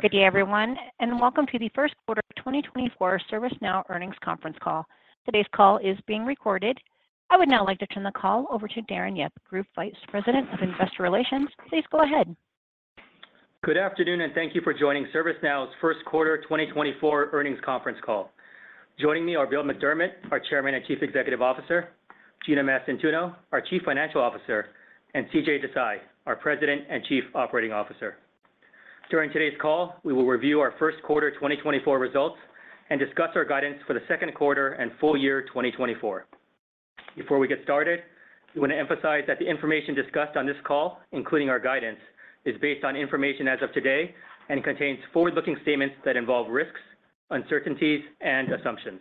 Good day, everyone, and welcome to the first quarter of 2024 ServiceNow earnings conference call. Today's call is being recorded. I would now like to turn the call over to Darren Yip, Vice President of Investor Relations. Please go ahead. Good afternoon, and thank you for joining ServiceNow's first quarter 2024 earnings conference call. Joining me are Bill McDermott, our Chairman and Chief Executive Officer, Gina Mastantuono, our Chief Financial Officer, and CJ Desai, our President and Chief Operating Officer. During today's call, we will review our first quarter 2024 results and discuss our guidance for the second quarter and full year 2024. Before we get started, we want to emphasize that the information discussed on this call, including our guidance, is based on information as of today and contains forward-looking statements that involve risks, uncertainties, and assumptions.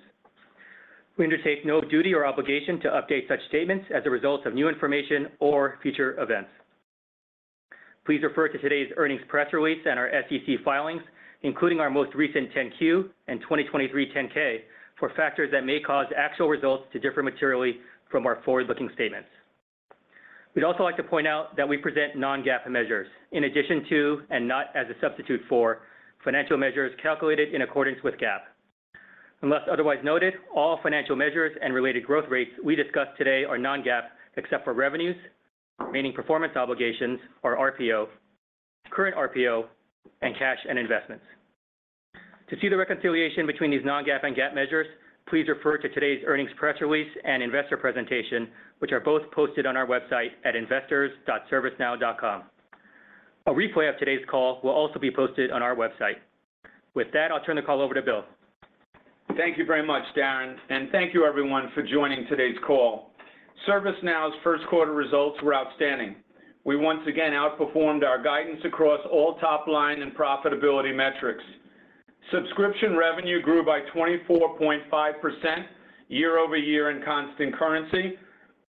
We undertake no duty or obligation to update such statements as a result of new information or future events. Please refer to today's earnings press release and our SEC filings, including our most recent 10-Q and 2023 10-K, for factors that may cause actual results to differ materially from our forward-looking statements. We'd also like to point out that we present non-GAAP measures, in addition to and not as a substitute for, financial measures calculated in accordance with GAAP. Unless otherwise noted, all financial measures and related growth rates we discuss today are non-GAAP except for revenues, remaining performance obligations, our RPO, current RPO, and cash and investments. To see the reconciliation between these non-GAAP and GAAP measures, please refer to today's earnings press release and investor presentation, which are both posted on our website at investors.servicenow.com. A replay of today's call will also be posted on our website. With that, I'll turn the call over to Bill. Thank you very much, Darren, and thank you, everyone, for joining today's call. ServiceNow's first quarter results were outstanding. We once again outperformed our guidance across all top-line and profitability metrics. Subscription revenue grew by 24.5% year over year in constant currency.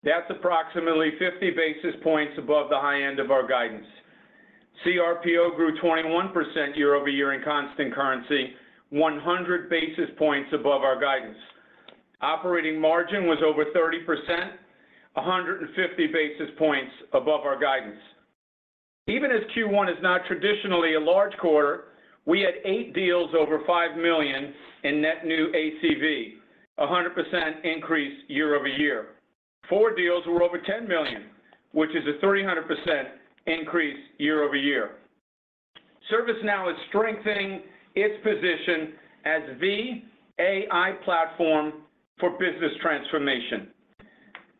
That's approximately 50 basis points above the high end of our guidance. CRPO grew 21% year over year in constant currency, 100 basis points above our guidance. Operating margin was over 30%, 150 basis points above our guidance. Even as Q1 is not traditionally a large quarter, we had 8 deals over $5 million in net new ACV, a 100% increase year over year. Four deals were over $10 million, which is a 300% increase year over year. ServiceNow is strengthening its position as the AI platform for business transformation.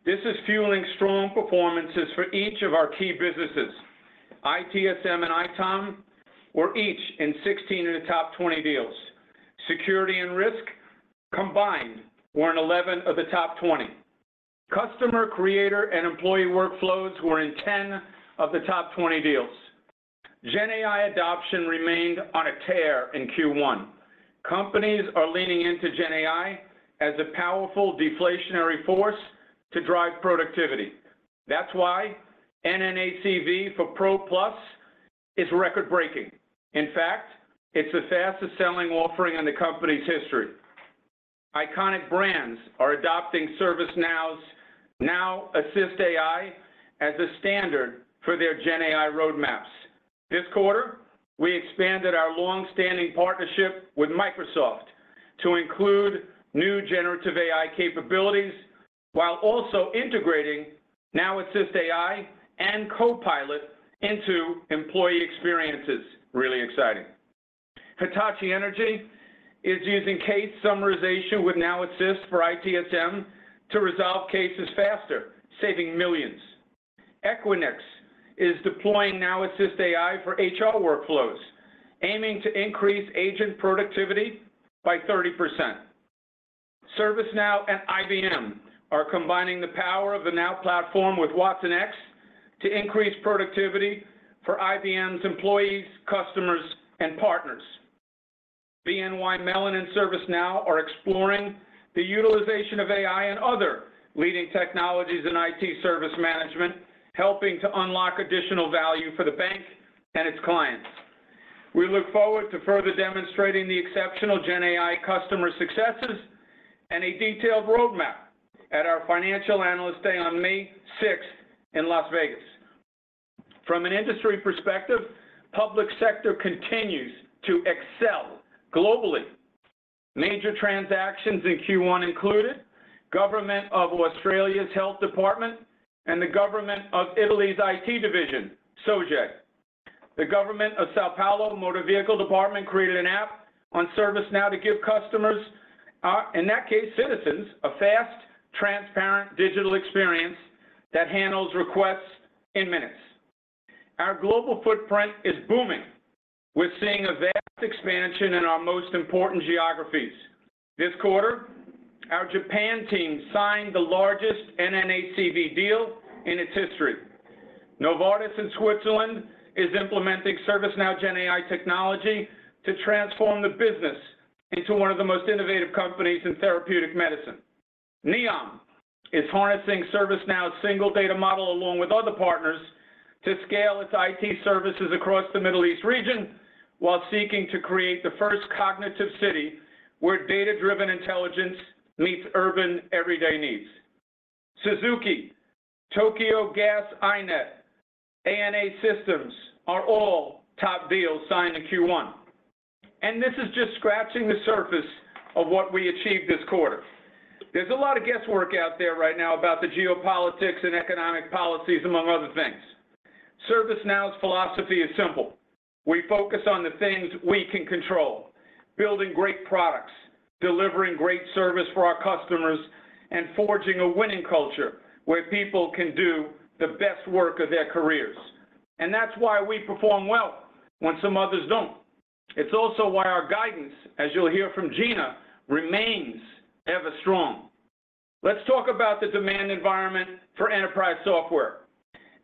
This is fueling strong performances for each of our key businesses. ITSM and ITOM were each in 16 of the top 20 deals. Security and risk combined were in 11 of the top 20. Customer Creator and Employee Workflows were in 10 of the top 20 deals. GenAI adoption remained on a tear in Q1. Companies are leaning into GenAI as a powerful deflationary force to drive productivity. That's why NNACV for Pro Plus is record-breaking. In fact, it's the fastest-selling offering in the company's history. Iconic brands are adopting ServiceNow's Now Assist AI as a standard for their GenAI roadmaps. This quarter, we expanded our longstanding partnership with Microsoft to include new generative AI capabilities while also integrating Now Assist AI and Copilot into employee experiences. Really exciting. Hitachi Energy is using case summarization with Now Assist for ITSM to resolve cases faster, saving millions. Equinix is deploying Now Assist AI for HR workflows, aiming to increase agent productivity by 30%. ServiceNow and IBM are combining the power of the Now Platform with watsonx to increase productivity for IBM's employees, customers, and partners. BNY Mellon and ServiceNow are exploring the utilization of AI and other leading technologies in IT service management, helping to unlock additional value for the bank and its clients. We look forward to further demonstrating the exceptional GenAI customer successes and a detailed roadmap at our Financial Analyst Day on May 6 in Las Vegas. From an industry perspective, public sector continues to excel globally. Major transactions in Q1 included Government of Australia's Health Department and the Government of Italy's IT division, Sogei. The Government of São Paulo Motor Vehicle Department created an app on ServiceNow to give customers, in that case citizens, a fast, transparent digital experience that handles requests in minutes. Our global footprint is booming. We're seeing a vast expansion in our most important geographies. This quarter, our Japan team signed the largest NNACV deal in its history. Novartis in Switzerland is implementing ServiceNow GenAI technology to transform the business into one of the most innovative companies in therapeutic medicine. NEOM is harnessing ServiceNow's single data model along with other partners to scale its IT services across the Middle East region while seeking to create the first cognitive city where data-driven intelligence meets urban everyday needs. Suzuki, Tokyo Gas iNET, ANA Systems are all top deals signed in Q1. This is just scratching the surface of what we achieved this quarter. There's a lot of guesswork out there right now about the geopolitics and economic policies, among other things. ServiceNow's philosophy is simple. We focus on the things we can control: building great products, delivering great service for our customers, and forging a winning culture where people can do the best work of their careers. And that's why we perform well when some others don't. It's also why our guidance, as you'll hear from Gina, remains ever-strong. Let's talk about the demand environment for enterprise software.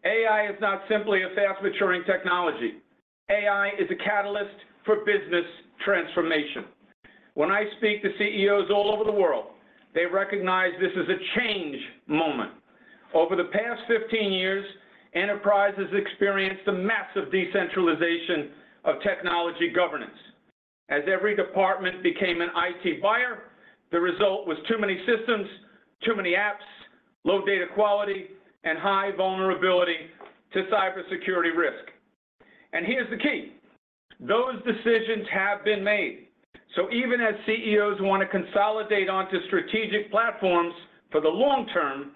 AI is not simply a fast-maturing technology. AI is a catalyst for business transformation. When I speak to CEOs all over the world, they recognize this is a change moment. Over the past 15 years, enterprises experienced a massive decentralization of technology governance. As every department became an IT buyer, the result was too many systems, too many apps, low data quality, and high vulnerability to cybersecurity risk. Here's the key: those decisions have been made. Even as CEOs want to consolidate onto strategic platforms for the long term,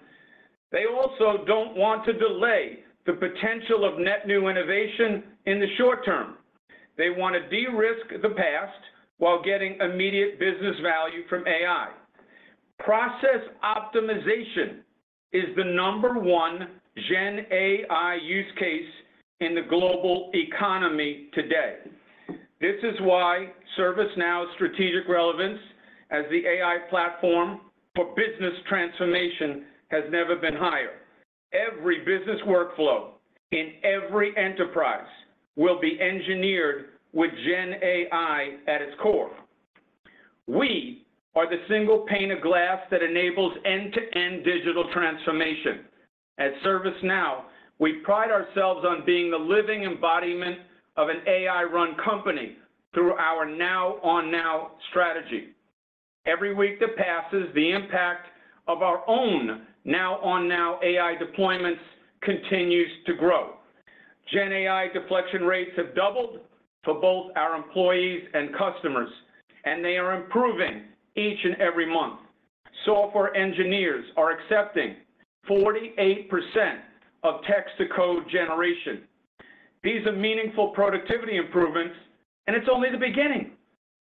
they also don't want to delay the potential of net new innovation in the short term. They want to de-risk the past while getting immediate business value from AI. Process optimization is the number one GenAI use case in the global economy today. This is why ServiceNow's strategic relevance as the AI platform for business transformation has never been higher. Every business workflow in every enterprise will be engineered with GenAI at its core. We are the single pane of glass that enables end-to-end digital transformation. At ServiceNow, we pride ourselves on being the living embodiment of an AI-run company through our Now on Now strategy. Every week that passes, the impact of our own Now on Now AI deployments continues to grow. GenAI deflection rates have doubled for both our employees and customers, and they are improving each and every month. Software engineers are accepting 48% of text-to-code generation. These are meaningful productivity improvements, and it's only the beginning.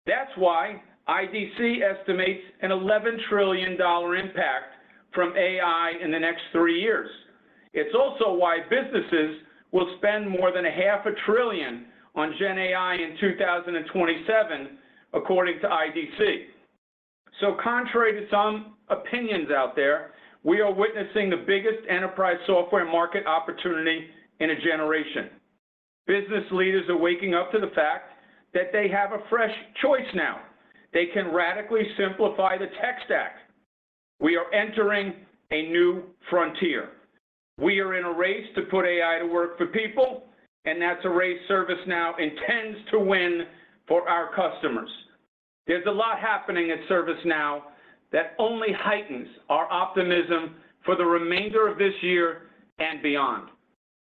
That's why IDC estimates an $11 trillion impact from AI in the next three years. It's also why businesses will spend more than $0.5 trillion on GenAI in 2027, according to IDC. So contrary to some opinions out there, we are witnessing the biggest enterprise software market opportunity in a generation. Business leaders are waking up to the fact that they have a fresh choice now. They can radically simplify the tech stack. We are entering a new frontier. We are in a race to put AI to work for people, and that's a race ServiceNow intends to win for our customers. There's a lot happening at ServiceNow that only heightens our optimism for the remainder of this year and beyond.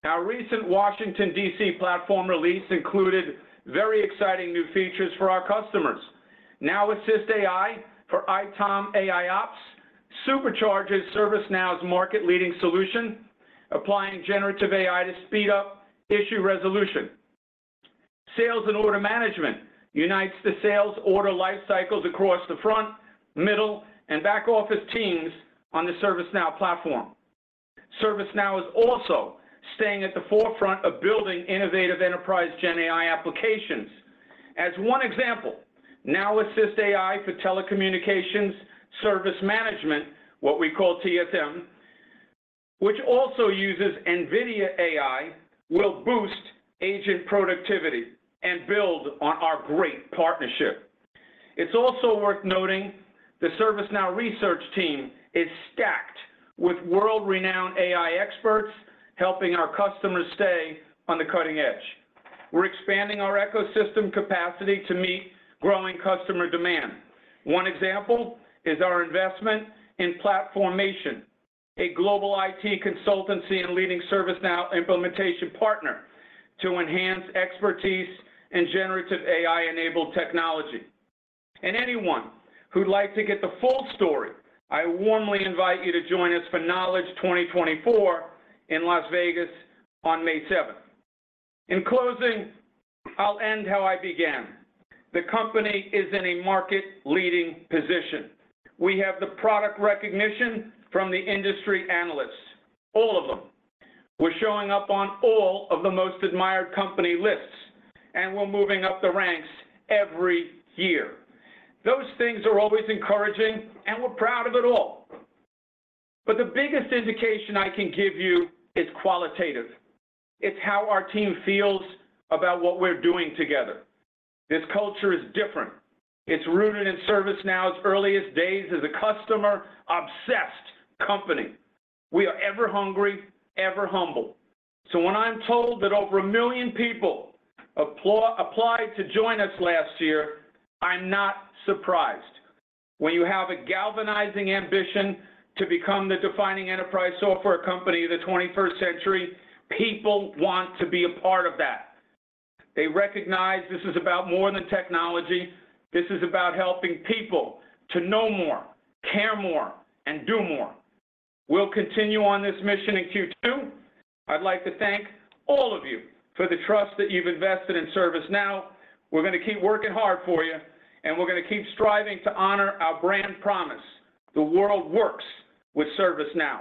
Our recent Washington, D.C. platform release included very exciting new features for our customers. Now Assist AI for ITOM AIOps supercharges ServiceNow's market-leading solution, applying generative AI to speed up issue resolution. Sales and Order Management unites the sales order lifecycles across the front, middle, and back-office teams on the ServiceNow platform. ServiceNow is also staying at the forefront of building innovative enterprise GenAI applications. As one example, Now Assist AI for Telecommunications Service Management, what we call TSM, which also uses NVIDIA AI, will boost agent productivity and build on our great partnership. It's also worth noting the ServiceNow research team is stacked with world-renowned AI experts helping our customers stay on the cutting edge. We're expanding our ecosystem capacity to meet growing customer demand. One example is our investment in Plat4mation, a global IT consultancy and leading ServiceNow implementation partner to enhance expertise in generative AI-enabled technology. Anyone who'd like to get the full story, I warmly invite you to join us for Knowledge 2024 in Las Vegas on May 7. In closing, I'll end how I began. The company is in a market-leading position. We have the product recognition from the industry analysts, all of them. We're showing up on all of the most admired company lists, and we're moving up the ranks every year. Those things are always encouraging, and we're proud of it all. But the biggest indication I can give you is qualitative. It's how our team feels about what we're doing together. This culture is different. It's rooted in ServiceNow's earliest days as a customer-obsessed company. We are ever-hungry, ever-humble. So when I'm told that over 1 million people applied to join us last year, I'm not surprised. When you have a galvanizing ambition to become the defining enterprise software company of the 21st century, people want to be a part of that. They recognize this is about more than technology. This is about helping people to know more, care more, and do more. We'll continue on this mission in Q2. I'd like to thank all of you for the trust that you've invested in ServiceNow. We're going to keep working hard for you, and we're going to keep striving to honor our brand promise: the world works with ServiceNow.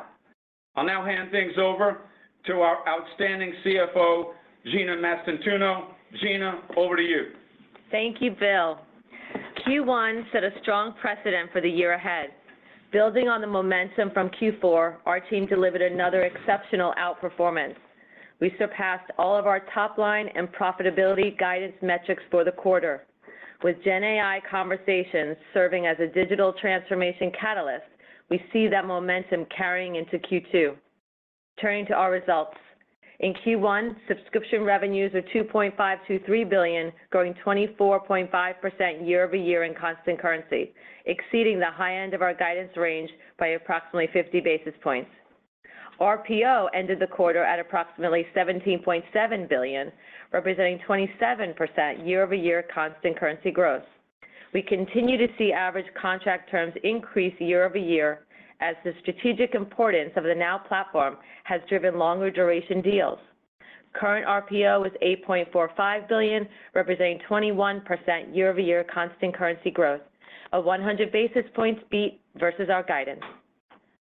I'll now hand things over to our outstanding CFO, Gina Mastantuono.Gina, over to you. Thank you, Bill. Q1 set a strong precedent for the year ahead. Building on the momentum from Q4, our team delivered another exceptional outperformance. We surpassed all of our top-line and profitability guidance metrics for the quarter. With GenAI conversations serving as a digital transformation catalyst, we see that momentum carrying into Q2. Turning to our results. In Q1, subscription revenues were $2.523 billion, growing 24.5% year-over-year in constant currency, exceeding the high end of our guidance range by approximately 50 basis points. RPO ended the quarter at approximately $17.7 billion, representing 27% year-over-year constant currency growth. We continue to see average contract terms increase year-over-year as the strategic importance of the Now Platform has driven longer-duration deals. Current RPO was $8.45 billion, representing 21% year-over-year constant currency growth, a 100 basis points beat versus our guidance.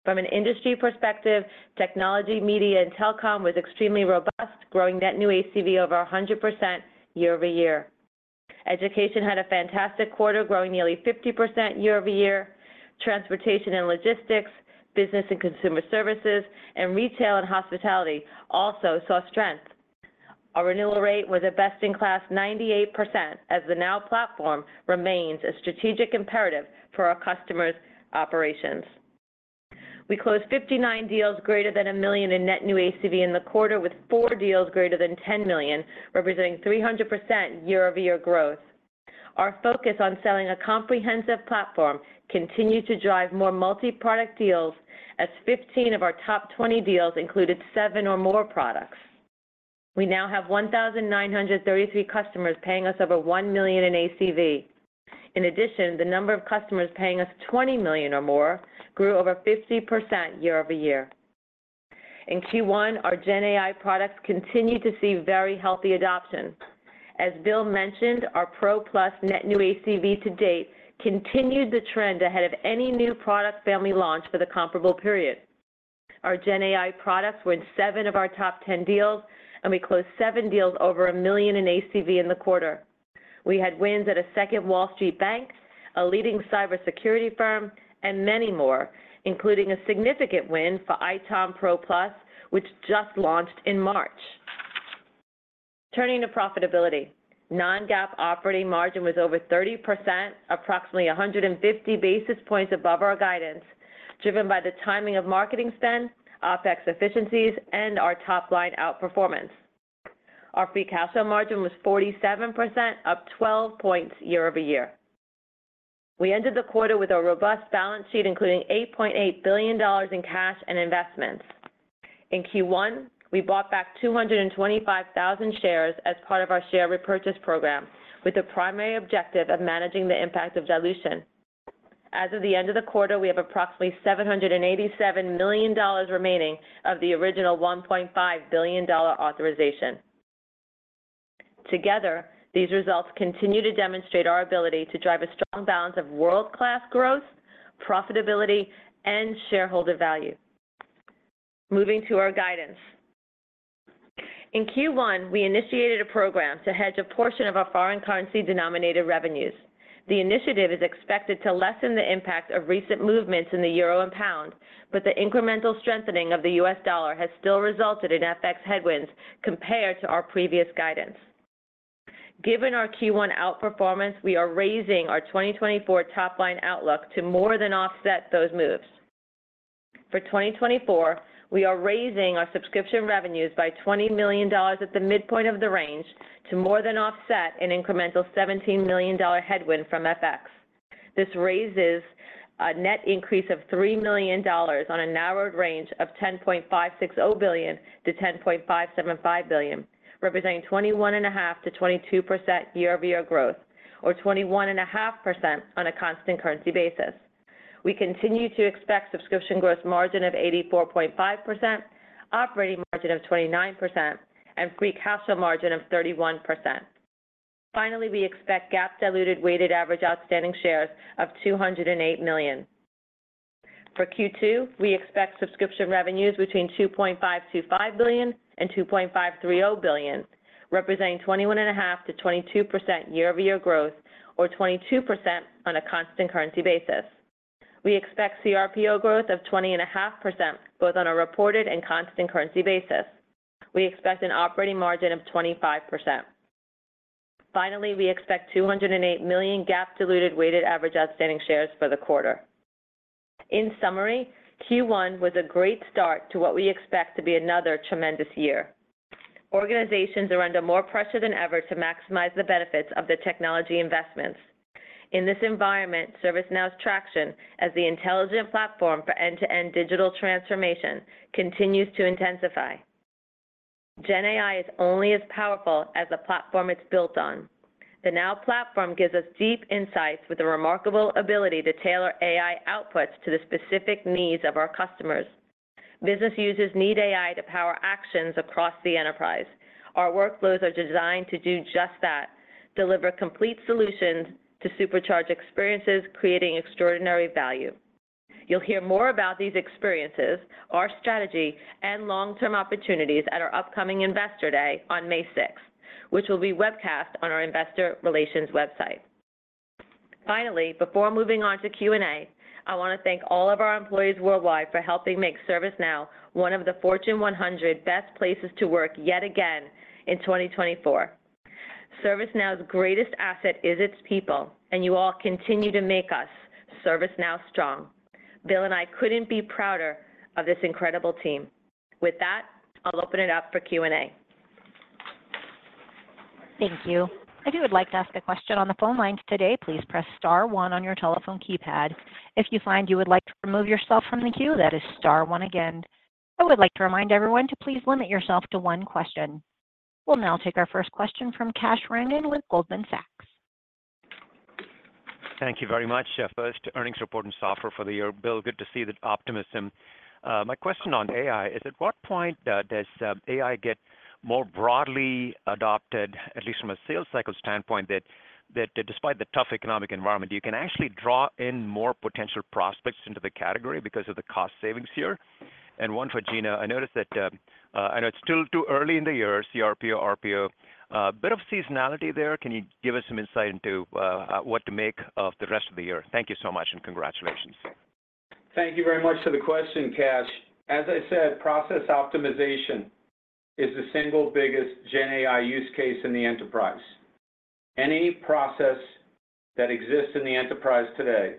From an industry perspective, technology, media, and telecom was extremely robust, growing net new ACV over 100% year-over-year. Education had a fantastic quarter, growing nearly 50% year-over-year. Transportation and logistics, business and consumer services, and retail and hospitality also saw strength. Our renewal rate was a best-in-class 98% as the Now Platform remains a strategic imperative for our customers' operations. We closed 59 deals greater than $1 million in net new ACV in the quarter with four deals greater than $10 million, representing 300% year-over-year growth. Our focus on selling a comprehensive platform continued to drive more multi-product deals as 15 of our top 20 deals included seven or more products. We now have 1,933 customers paying us over $1 million in ACV. In addition, the number of customers paying us $20 million or more grew over 50% year-over-year. In Q1, our GenAI products continued to see very healthy adoption. As Bill mentioned, our Pro Plus net new ACV to date continued the trend ahead of any new product family launch for the comparable period. Our GenAI products were in seven of our top 10 deals, and we closed seven deals over $1 million in ACV in the quarter. We had wins at a second Wall Street bank, a leading cybersecurity firm, and many more, including a significant win for ITOM Pro Plus, which just launched in March. Turning to profitability. Non-GAAP operating margin was over 30%, approximately 150 basis points above our guidance, driven by the timing of marketing spend, OpEx efficiencies, and our top-line outperformance. Our free cash flow margin was 47%, up 12 points year-over-year. We ended the quarter with a robust balance sheet, including $8.8 billion in cash and investments. In Q1, we bought back 225,000 shares as part of our share repurchase program with the primary objective of managing the impact of dilution. As of the end of the quarter, we have approximately $787 million remaining of the original $1.5 billion authorization. Together, these results continue to demonstrate our ability to drive a strong balance of world-class growth, profitability, and shareholder value. Moving to our guidance. In Q1, we initiated a program to hedge a portion of our foreign currency-denominated revenues. The initiative is expected to lessen the impact of recent movements in the euro and pound, but the incremental strengthening of the U.S. dollar has still resulted in FX headwinds compared to our previous guidance. Given our Q1 outperformance, we are raising our 2024 top-line outlook to more than offset those moves. For 2024, we are raising our subscription revenues by $20 million at the midpoint of the range to more than offset an incremental $17 million headwind from FX. This raises a net increase of $3 million on a narrowed range of $10.560 billion-$10.575 billion, representing 21.5%-22% year-over-year growth, or 21.5% on a constant currency basis. We continue to expect subscription growth margin of 84.5%, operating margin of 29%, and free cash flow margin of 31%. Finally, we expect GAAP diluted weighted average outstanding shares of 208 million. For Q2, we expect subscription revenues between $2.525 billion and $2.530 billion, representing 21.5%-22% year-over-year growth, or 22% on a constant currency basis. We expect CRPO growth of 20.5%, both on a reported and constant currency basis. We expect an operating margin of 25%. Finally, we expect 208 million GAAP diluted weighted average outstanding shares for the quarter. In summary, Q1 was a great start to what we expect to be another tremendous year. Organizations are under more pressure than ever to maximize the benefits of the technology investments. In this environment, ServiceNow's traction as the intelligent platform for end-to-end digital transformation continues to intensify. GenAI is only as powerful as the platform it's built on. The Now Platform gives us deep insights with a remarkable ability to tailor AI outputs to the specific needs of our customers. Business users need AI to power actions across the enterprise. Our workflows are designed to do just that, deliver complete solutions to supercharge experiences creating extraordinary value. You'll hear more about these experiences, our strategy, and long-term opportunities at our upcoming Investor Day on May 6, which will be webcast on our investor relations website. Finally, before moving on to Q&A, I want to thank all of our employees worldwide for helping make ServiceNow one of the Fortune 100 best places to work yet again in 2024. ServiceNow's greatest asset is its people, and you all continue to make us ServiceNow strong. Bill and I couldn't be prouder of this incredible team. With that, I'll open it up for Q&A. Thank you. If you would like to ask a question on the phone lines today, please press star one on your telephone keypad. If you find you would like to remove yourself from the queue, that is star one again. I would like to remind everyone to please limit yourself to one question. We'll now take our first question from Kash Rangan with Goldman Sachs. Thank you very much. First, earnings report in software for the year. Bill, good to see that optimism. My question on AI is, at what point does AI get more broadly adopted, at least from a sales cycle standpoint, that despite the tough economic environment, you can actually draw in more potential prospects into the category because of the cost savings here? And one for Gina, I noticed that I know it's still too early in the year, CRPO, RPO. A bit of seasonality there. Can you give us some insight into what to make of the rest of the year? Thank you so much and congratulations. Thank you very much for the question, Kash. As I said, process optimization is the single biggest GenAI use case in the enterprise. Any process that exists in the enterprise today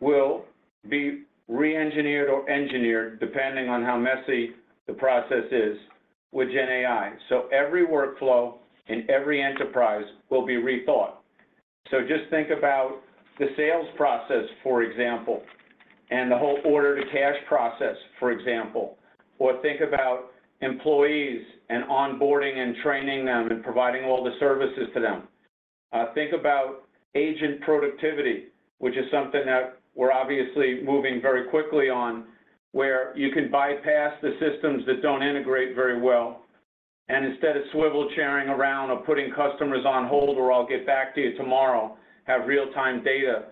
will be re-engineered or engineered, depending on how messy the process is, with GenAI. So every workflow in every enterprise will be rethought. So just think about the sales process, for example, and the whole order-to-cash process, for example, or think about employees and onboarding and training them and providing all the services to them. Think about agent productivity, which is something that we're obviously moving very quickly on, where you can bypass the systems that don't integrate very well and instead of swivel-chairing around or putting customers on hold or, "I'll get back to you tomorrow," have real-time data,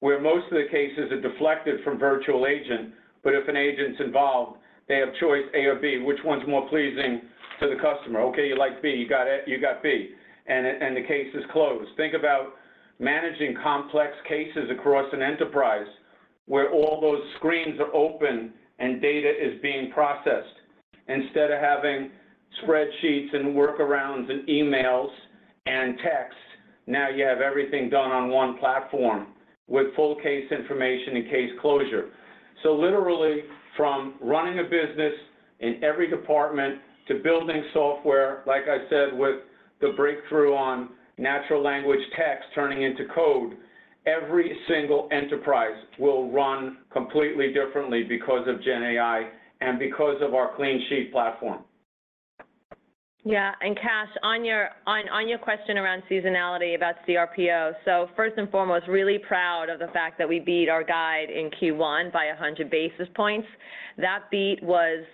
where most of the cases are deflected from virtual agent, but if an agent's involved, they have choice A or B. Which one's more pleasing to the customer? Okay, you like B. You got B. And the case is closed. Think about managing complex cases across an enterprise where all those screens are open and data is being processed. Instead of having spreadsheets and workarounds and emails and texts, now you have everything done on one platform with full case information and case closure. So literally, from running a business in every department to building software, like I said, with the breakthrough on natural language text turning into code, every single enterprise will run completely differently because of GenAI and because of our clean sheet platform. Yeah. And Kash, on your question around seasonality about CRPO, so first and foremost, really proud of the fact that we beat our guide in Q1 by 100 basis points. That beat was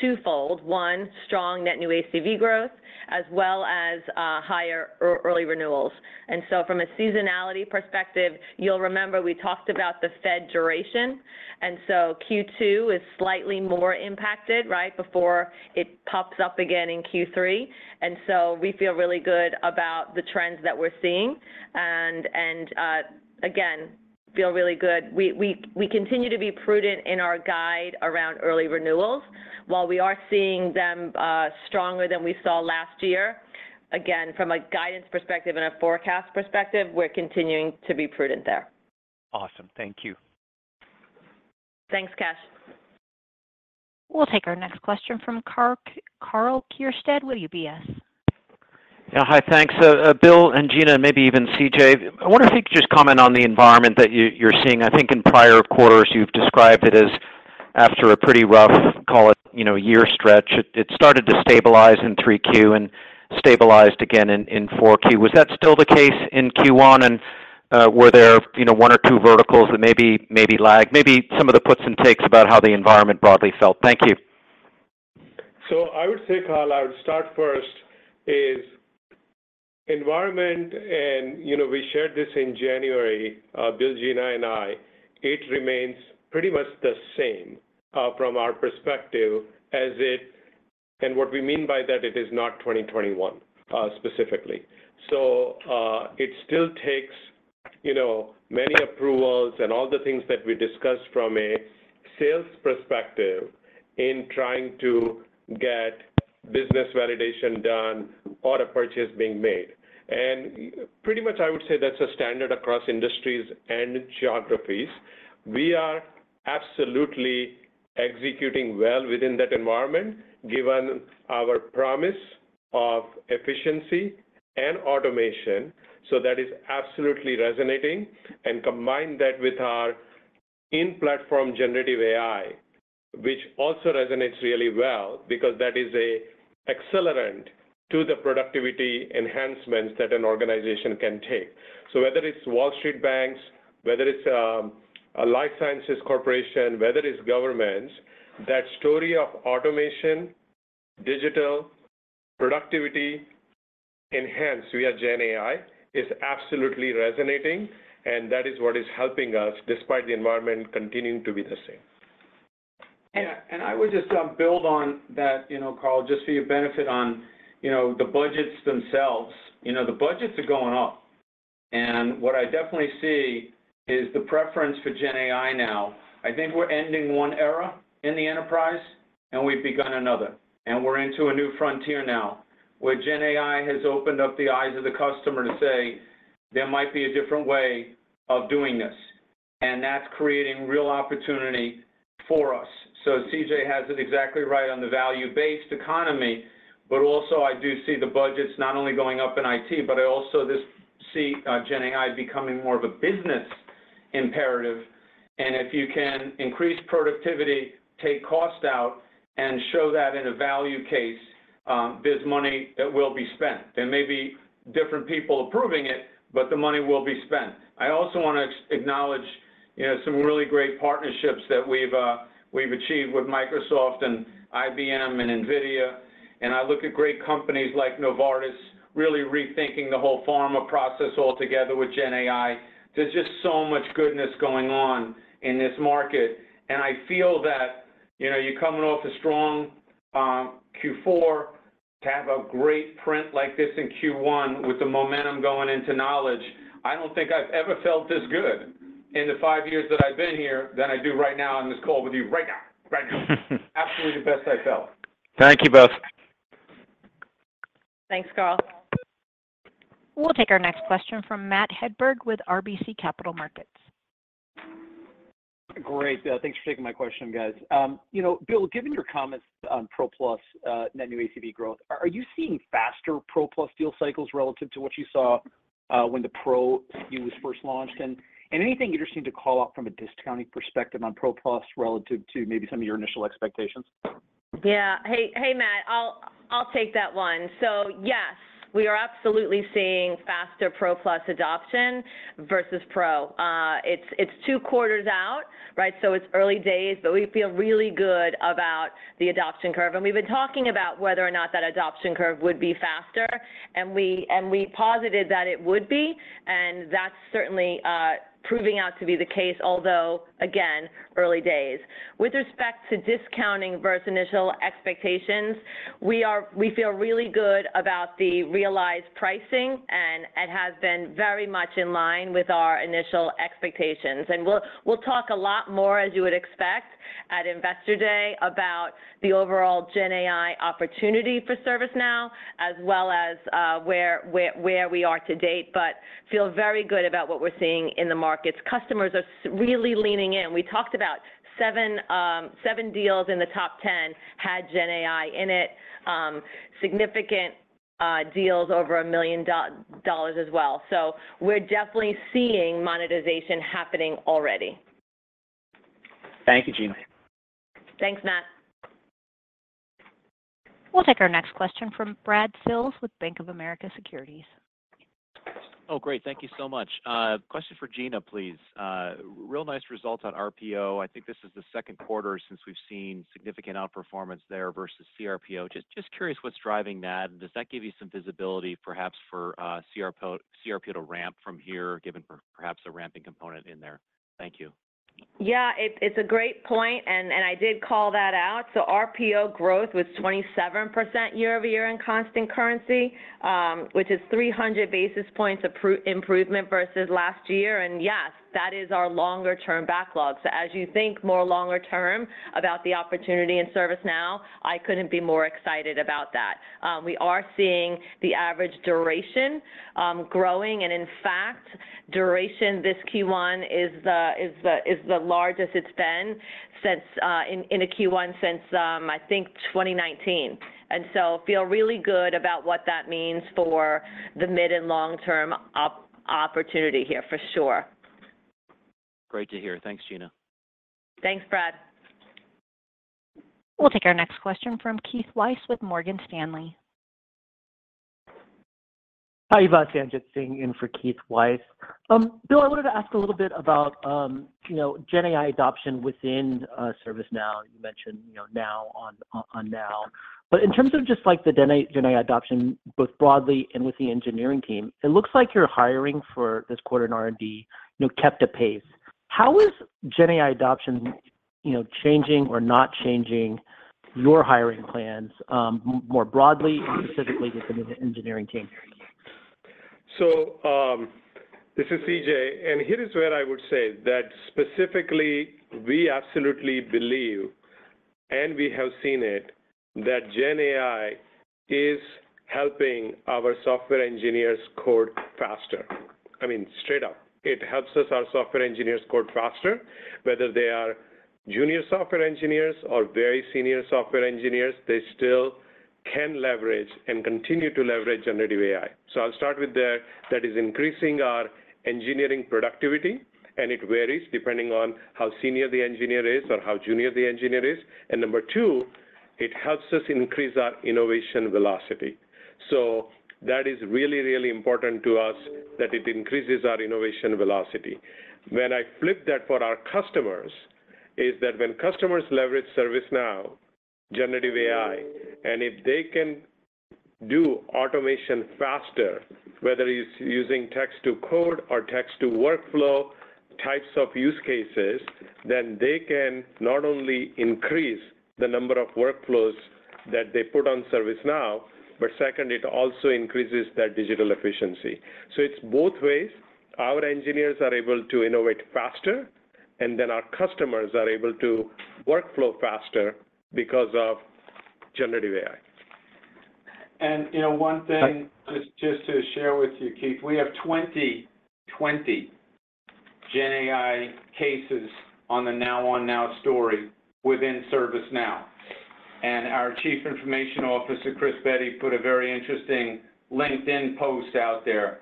twofold: one, strong net new ACV growth, as well as higher early renewals. And so from a seasonality perspective, you'll remember we talked about the Fed duration. And so Q2 is slightly more impacted right before it pops up again in Q3. And so we feel really good about the trends that we're seeing and, again, feel really good. We continue to be prudent in our guide around early renewals. While we are seeing them stronger than we saw last year, again, from a guidance perspective and a forecast perspective, we're continuing to be prudent there. Awesome. Thank you. Thanks, Kash. We'll take our next question from Karl Kierstead. UBS. Hi. Thanks. Bill and Gina, maybe even CJ, I wonder if you could just comment on the environment that you're seeing. I think in prior quarters, you've described it as after a pretty rough, call it, year stretch, it started to stabilize in 3Q and stabilized again in 4Q. Was that still the case in Q1, and were there one or two verticals that maybe lagged? Maybe some of the puts and takes about how the environment broadly felt. Thank you. So I would say, Karl, I would start first is environment, and we shared this in January, Bill, Gina, and I. It remains pretty much the same from our perspective as it and what we mean by that, it is not 2021 specifically. So it still takes many approvals and all the things that we discussed from a sales perspective in trying to get business validation done or a purchase being made. And pretty much, I would say that's a standard across industries and geographies. We are absolutely executing well within that environment given our promise of efficiency and automation. So that is absolutely resonating. And combine that with our in-platform generative AI, which also resonates really well because that is an accelerant to the productivity enhancements that an organization can take. Whether it's Wall Street banks, whether it's a life sciences corporation, whether it's governments, that story of automation, digital productivity enhanced via GenAI is absolutely resonating, and that is what is helping us despite the environment continuing to be the same. I would just build on that, Karl, just for your benefit on the budgets themselves. The budgets are going up. What I definitely see is the preference for GenAI now. I think we're ending one era in the enterprise, and we've begun another. We're into a new frontier now where GenAI has opened up the eyes of the customer to say, "There might be a different way of doing this." That's creating real opportunity for us. CJ has it exactly right on the value-based economy. But also, I do see the budgets not only going up in IT, but I also see GenAI becoming more of a business imperative. And if you can increase productivity, take cost out, and show that in a value case, there's money that will be spent. There may be different people approving it, but the money will be spent. I also want to acknowledge some really great partnerships that we've achieved with Microsoft and IBM and NVIDIA. And I look at great companies like Novartis really rethinking the whole pharma process altogether with GenAI. There's just so much goodness going on in this market. I feel that you're coming off a strong Q4 to have a great print like this in Q1 with the momentum going into Knowledge. I don't think I've ever felt this good in the five years that I've been here than I do right now on this call with you right now, right now. Absolutely the best I felt. Thank you both. Thanks, Karl. We'll take our next question from Matt Hedberg with RBC Capital Markets. Great. Thanks for taking my question, guys. Bill, given your comments on Pro Plus net new ACV growth, are you seeing faster Pro Plus deal cycles relative to what you saw when the Pro SKU was first launched? And anything interesting to call out from a discounting perspective on Pro Plus relative to maybe some of your initial expectations? Yeah. Hey, Matt. I'll take that one. So yes, we are absolutely seeing faster Pro Plus adoption versus Pro. It's two quarters out, right? So it's early days, but we feel really good about the adoption curve. And we've been talking about whether or not that adoption curve would be faster, and we posited that it would be. And that's certainly proving out to be the case, although, again, early days. With respect to discounting versus initial expectations, we feel really good about the realized pricing, and it has been very much in line with our initial expectations. And we'll talk a lot more, as you would expect, at Investor Day about the overall GenAI opportunity for ServiceNow as well as where we are to date, but feel very good about what we're seeing in the markets. Customers are really leaning in. We talked about seven deals in the top 10 had GenAI in it, significant deals over $1 million as well. So we're definitely seeing monetization happening already. Thank you, Gina. Thanks, Matt. We'll take our next question from Brad Sills with Bank of America Securities. Oh, great. Thank you so much. Question for Gina, please. Real nice results on RPO. I think this is the second quarter since we've seen significant outperformance there versus CRPO. Just curious what's driving that. Does that give you some visibility, perhaps, for CRPO to ramp from here given perhaps a ramping component in there? Thank you. Yeah. It's a great point, and I did call that out. So RPO growth was 27% year-over-year in constant currency, which is 300 basis points of improvement versus last year. Yes, that is our longer-term backlog. So as you think more longer-term about the opportunity in ServiceNow, I couldn't be more excited about that. We are seeing the average duration growing. And in fact, duration this Q1 is the largest it's been in a Q1 since, I think, 2019. And so feel really good about what that means for the mid and long-term opportunity here, for sure. Great to hear. Thanks, Gina. Thanks, Brad. We'll take our next question from Keith Weiss with Morgan Stanley. Hi. Sanjit Singh in for Keith Weiss. Bill, I wanted to ask a little bit about GenAI adoption within ServiceNow. You mentioned Now on Now. But in terms of just the GenAI adoption both broadly and with the engineering team, it looks like your hiring for this quarter in R&D kept a pace. How is GenAI adoption changing or not changing your hiring plans more broadly and specifically within the engineering team? So this is CJ. And here is where I would say that specifically, we absolutely believe, and we have seen it, that GenAI is helping our software engineers code faster. I mean, straight up. It helps us, our software engineers, code faster. Whether they are junior software engineers or very senior software engineers, they still can leverage and continue to leverage generative AI. So I'll start with that. That is increasing our engineering productivity, and it varies depending on how senior the engineer is or how junior the engineer is. And number two, it helps us increase our innovation velocity. So that is really, really important to us, that it increases our innovation velocity. When I flip that for our customers is that when customers leverage ServiceNow, generative AI, and if they can do automation faster, whether it's using text-to-code or text-to-workflow types of use cases, then they can not only increase the number of workflows that they put on ServiceNow, but second, it also increases their digital efficiency. So it's both ways. Our engineers are able to innovate faster, and then our customers are able to workflow faster because of generative AI. And one thing just to share with you, Keith, we have 20 GenAI cases on the Now on Now story within ServiceNow. And our Chief Information Officer, Chris Bedi, put a very interesting LinkedIn post out there.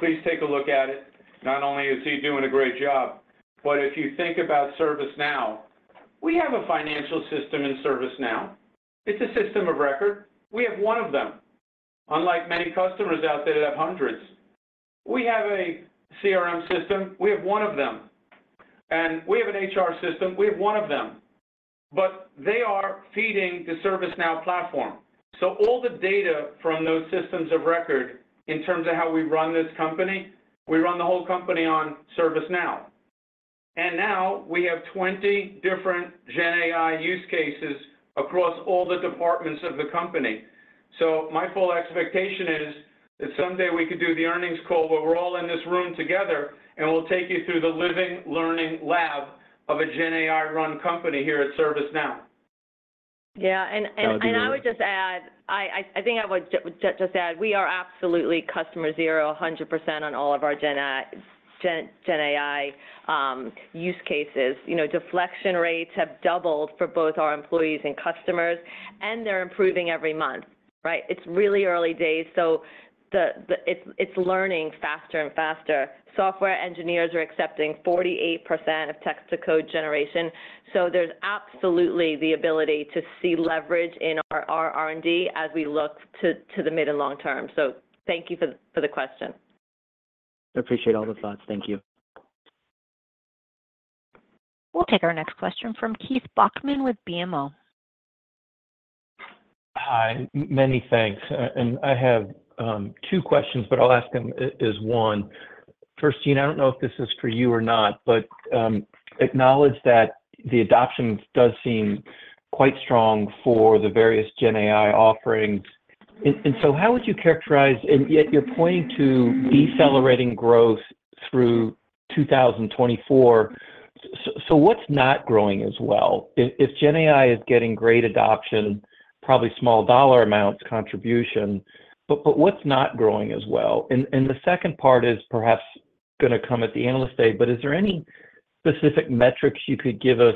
Please take a look at it. Not only is he doing a great job, but if you think about ServiceNow, we have a financial system in ServiceNow. It's a system of record. We have one of them. Unlike many customers out there that have hundreds, we have a CRM system. We have one of them. And we have an HR system. We have one of them. But they are feeding the ServiceNow platform. So all the data from those systems of record in terms of how we run this company, we run the whole company on ServiceNow. And now we have 20 different GenAI use cases across all the departments of the company. So my full expectation is that someday we could do the earnings call where we're all in this room together, and we'll take you through the living, learning lab of a GenAI-run company here at ServiceNow. Yeah. And I would just add, I think, we are absolutely customer zero, 100%, on all of our GenAI use cases. Deflection rates have doubled for both our employees and customers, and they're improving every month, right? It's really early days, so it's learning faster and faster. Software engineers are accepting 48% of text-to-code generation. So there's absolutely the ability to see leverage in our R&D as we look to the mid and long term. So thank you for the question. I appreciate all the thoughts. Thank you. We'll take our next question from Keith Bachmann with BMO. Hi. Many thanks. And I have two questions, but I'll ask them as one. First, Gina, I don't know if this is for you or not, but acknowledge that the adoption does seem quite strong for the various GenAI offerings. And so how would you characterize and yet you're pointing to decelerating growth through 2024. So what's not growing as well? If GenAI is getting great adoption, probably small dollar amounts contribution, but what's not growing as well? And the second part is perhaps going to come at the Analyst Day, but is there any specific metrics you could give us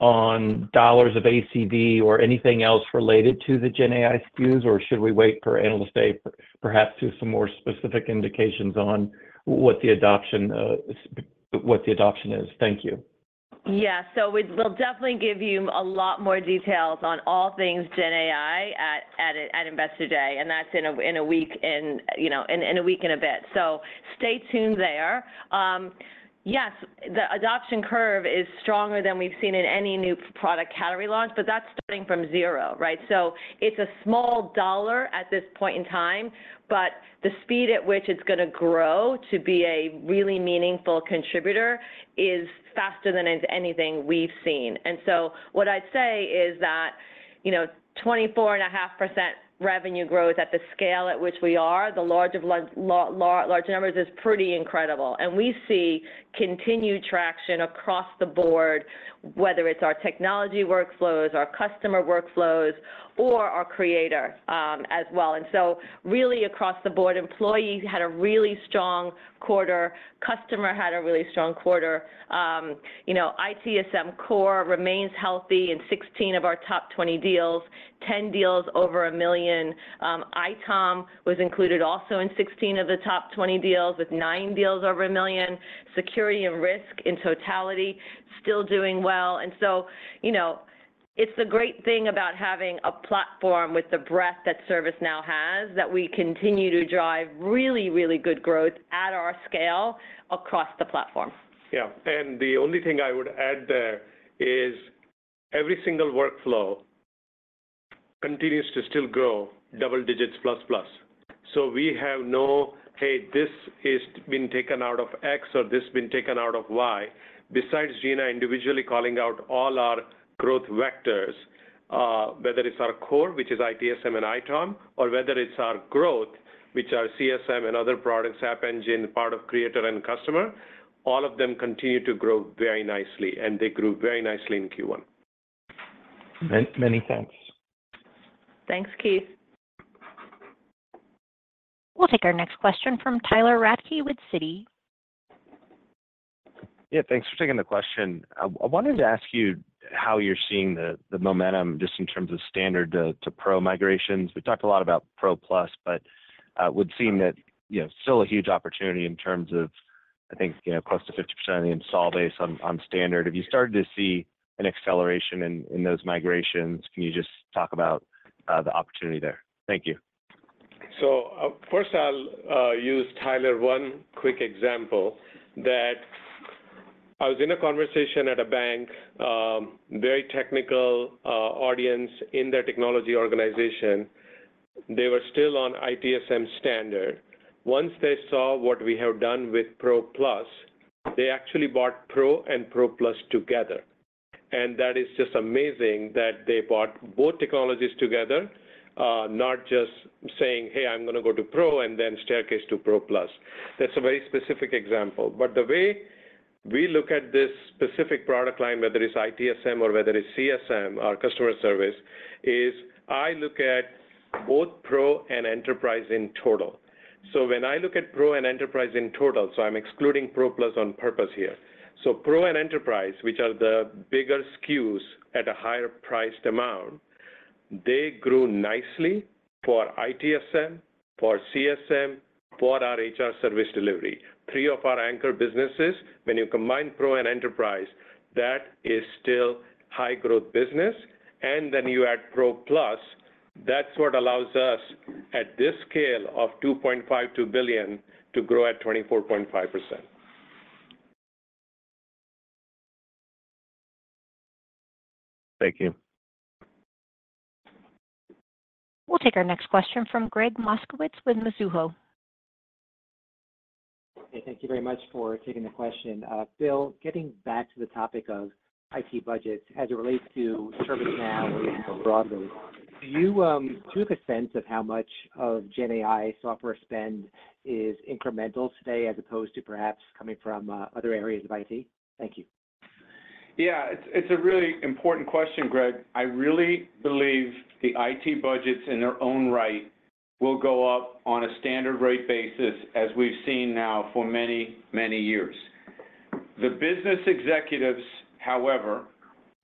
on dollars of ACV or anything else related to the GenAI SKUs, or should we wait for Analyst Day perhaps to some more specific indications on what the adoption is? Thank you. Yeah. So we'll definitely give you a lot more details on all things GenAI at Investor Day, and that's in a week and in a week and a bit. So stay tuned there. Yes, the adoption curve is stronger than we've seen in any new product category launch, but that's starting from zero, right? So it's a small dollar at this point in time, but the speed at which it's going to grow to be a really meaningful contributor is faster than anything we've seen. And so what I'd say is that 24.5% revenue growth at the scale at which we are, the larger numbers is pretty incredible. And we see continued traction across the board, whether it's our technology workflows, our customer workflows, or our creator as well. And so really across the board, employee had a really strong quarter, customer had a really strong quarter. ITSM Core remains healthy in 16 of our top 20 deals, 10 deals over $1 million. ITOM was included also in 16 of the top 20 deals with nine deals over $1 million. Security and risk in totality still doing well. And so it's the great thing about having a platform with the breadth that ServiceNow has, that we continue to drive really, really good growth at our scale across the platform. Yeah. And the only thing I would add there is every single workflow continues to still grow double digits plus, plus. So we have no, "Hey, this has been taken out of X," or, "This has been taken out of Y," besides Gina individually calling out all our growth vectors, whether it's our core, which is ITSM and ITOM, or whether it's our growth, which are CSM and other products, App Engine, part of Creator and Customer, all of them continue to grow very nicely, and they grew very nicely in Q1. Many thanks. Thanks, Keith. We'll take our next question from Tyler Radke with Citi. Yeah. Thanks for taking the question. I wanted to ask you how you're seeing the momentum just in terms of Standard to Pro migrations. We talked a lot about Pro Plus, but we've seen that still a huge opportunity in terms of, I think, close to 50% of the install base on Standard. Have you started to see an acceleration in those migrations? Can you just talk about the opportunity there? Thank you. So first, I'll use, Tyler, one quick example that I was in a conversation at a bank, very technical audience in their technology organization. They were still on ITSM Standard. Once they saw what we have done with Pro Plus, they actually bought Pro and Pro Plus together. And that is just amazing that they bought both technologies together, not just saying, "Hey, I'm going to go to Pro," and then staircase to Pro Plus. That's a very specific example. But the way we look at this specific product line, whether it's ITSM or whether it's CSM, our customer service, is I look at both Pro and Enterprise in total. So when I look at Pro and Enterprise in total, so I'm excludingPro Plus on purpose here. So Pro and Enterprise, which are the bigger SKUs at a higher priced amount, they grew nicely for ITSM, for CSM, for our HR Service Delivery. Three of our anchor businesses, when you combine Pro and Enterprise, that is still high-growth business. And then you addPro Plus. That's what allows us, at this scale of $2.52 billion, to grow at 24.5%. Thank you. We'll take our next question from Greg Moskowitz with Mizuho. Okay. Thank you very much for taking the question. Bill, getting back to the topic of IT budgets as it relates to ServiceNow and more broadly, do you have a sense of how much of GenAI software spend is incremental today as opposed to perhaps coming from other areas of IT? Thank you. Yeah. It's a really important question, Greg. I really believe the IT budgets in their own right will go up on a standard rate basis as we've seen now for many, many years. The business executives, however,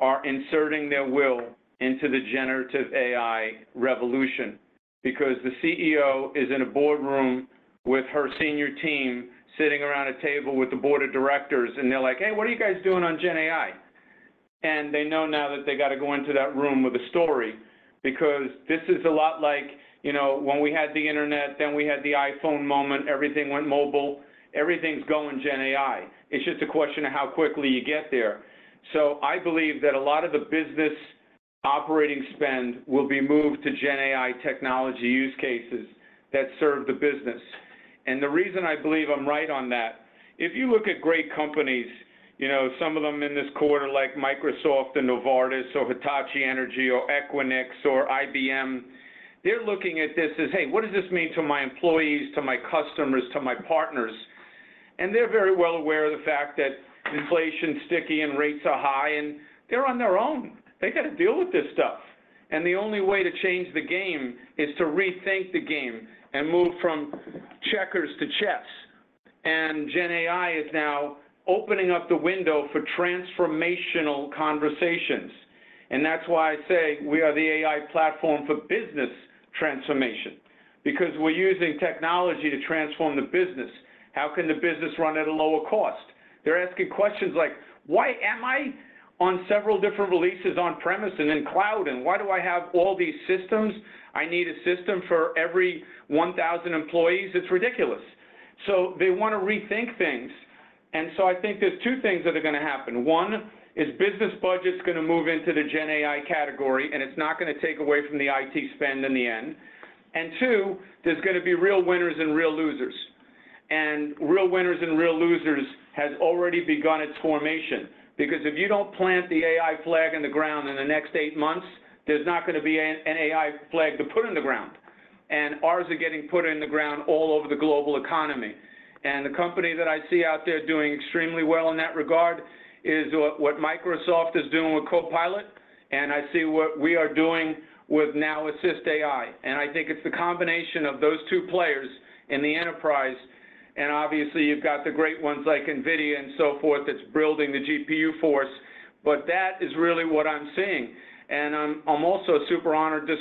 are inserting their will into the generative AI revolution because the CEO is in a boardroom with her senior team sitting around a table with the board of directors, and they're like, "Hey, what are you guys doing on GenAI?" They know now that they got to go into that room with a story because this is a lot like when we had the internet, then we had the iPhone moment. Everything went mobile. Everything's going GenAI. It's just a question of how quickly you get there. So I believe that a lot of the business operating spend will be moved to GenAI technology use cases that serve the business. The reason I believe I'm right on that is, if you look at great companies, some of them in this quarter like Microsoft and Novartis or Hitachi Energy or Equinix or IBM, they're looking at this as, "Hey, what does this mean to my employees, to my customers, to my partners?" They're very well aware of the fact that inflation's sticky and rates are high, and they're on their own. They got to deal with this stuff. The only way to change the game is to rethink the game and move from checkers to chess. GenAI is now opening up the window for transformational conversations. That's why I say we are the AI platform for business transformation because we're using technology to transform the business. How can the business run at a lower cost? They're asking questions like, "Why am I on several different releases on-premise and in cloud, and why do I have all these systems? I need a system for every 1,000 employees. It's ridiculous." So they want to rethink things. And so I think there's two things that are going to happen. One is business budget's going to move into the GenAI category, and it's not going to take away from the IT spend in the end. And two, there's going to be real winners and real losers. And real winners and real losers have already begun its formation because if you don't plant the AI flag in the ground in the next eight months, there's not going to be an AI flag to put in the ground. And ours are getting put in the ground all over the global economy. The company that I see out there doing extremely well in that regard is what Microsoft is doing with Copilot, and I see what we are doing with Now Assist AI. I think it's the combination of those two players in the enterprise. Obviously, you've got the great ones like NVIDIA and so forth that's building the GPU force, but that is really what I'm seeing. I'm also super honored to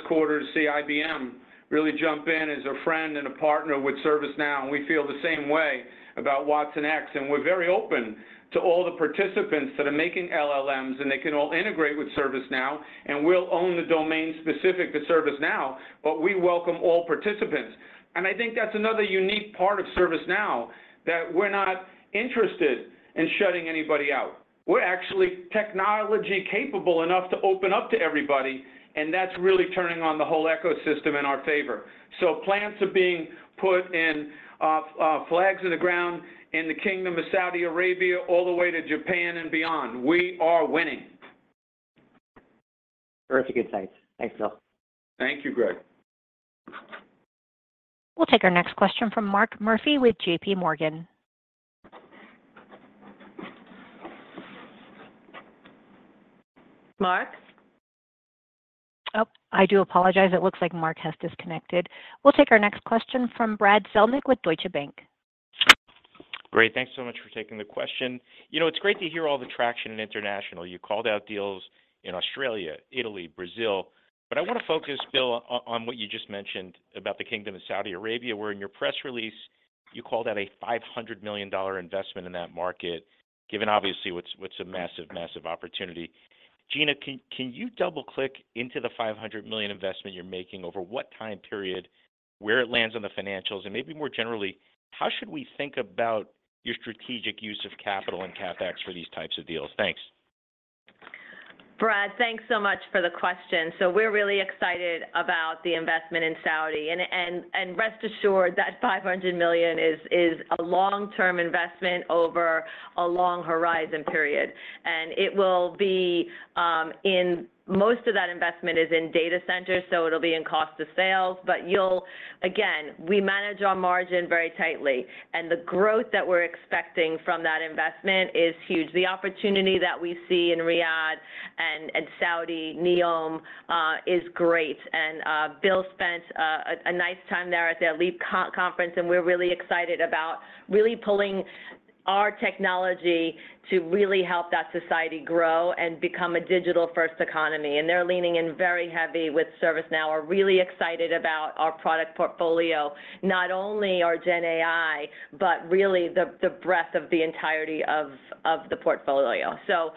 see IBM really jump in as a friend and a partner with ServiceNow. We feel the same way about watsonx. We're very open to all the participants that are making LLMs, and they can all integrate with ServiceNow. We'll own the domain specific to ServiceNow, but we welcome all participants. I think that's another unique part of ServiceNow that we're not interested in shutting anybody out. We're actually technology-capable enough to open up to everybody, and that's really turning on the whole ecosystem in our favor. So plants are being put in flags in the ground in the Kingdom of Saudi Arabia all the way to Japan and beyond. We are winning. Terrific insights. Thanks, Bill. Thank you, Greg. We'll take our next question from Mark Murphy with J.P. Morgan. Mark? Oh, I do apologize. It looks like Mark has disconnected. We'll take our next question from Brad Zelnick with Deutsche Bank. Great. Thanks so much for taking the question. It's great to hear all the traction in international. You called out deals in Australia, Italy, Brazil, but I want to focus, Bill, on what you just mentioned about the Kingdom of Saudi Arabia where in your press release, you called out a $500 million investment in that market, given obviously what's a massive, massive opportunity. Gina, can you double-click into the $500 million investment you're making over what time period, where it lands on the financials, and maybe more generally, how should we think about your strategic use of capital and CapEx for these types of deals? Thanks. Brad, thanks so much for the question. So we're really excited about the investment in Saudi. And rest assured, that $500 million is a long-term investment over a long horizon period. And it will be in most of that investment is in data centers, so it'll be in cost of sales. But again, we manage our margin very tightly, and the growth that we're expecting from that investment is huge. The opportunity that we see in Riyadh and Saudi, NEOM, is great. Bill spent a nice time there at their LEAP conference, and we're really excited about really pulling our technology to really help that society grow and become a digital-first economy. They're leaning in very heavy with ServiceNow. We're really excited about our product portfolio, not only our GenAI, but really the breadth of the entirety of the portfolio. So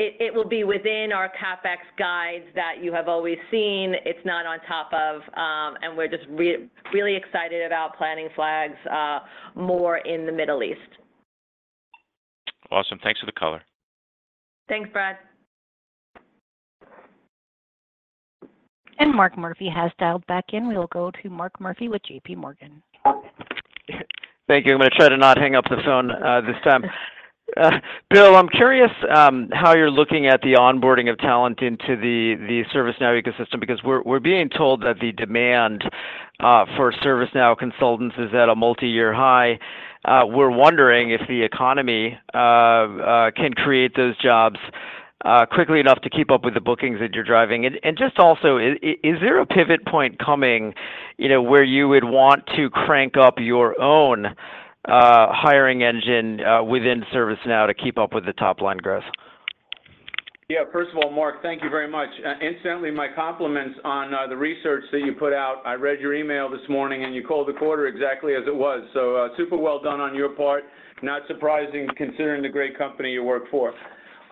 it will be within our CapEx guides that you have always seen. It's not on top of, and we're just really excited about planting flags more in the Middle East. Awesome. Thanks for the color. Thanks, Brad. Mark Murphy has dialed back in. We will go to Mark Murphy with J.P. Morgan. Thank you. I'm going to try to not hang up the phone this time. Bill, I'm curious how you're looking at the onboarding of talent into the ServiceNow ecosystem because we're being told that the demand for ServiceNow consultants is at a multi-year high. We're wondering if the economy can create those jobs quickly enough to keep up with the bookings that you're driving. Just also, is there a pivot point coming where you would want to crank up your own hiring engine within ServiceNow to keep up with the top-line growth? Yeah. First of all, Mark, thank you very much. Incidentally, my compliments on the research that you put out. I read your email this morning, and you called the quarter exactly as it was. Super well done on your part. Not surprising considering the great company you work for.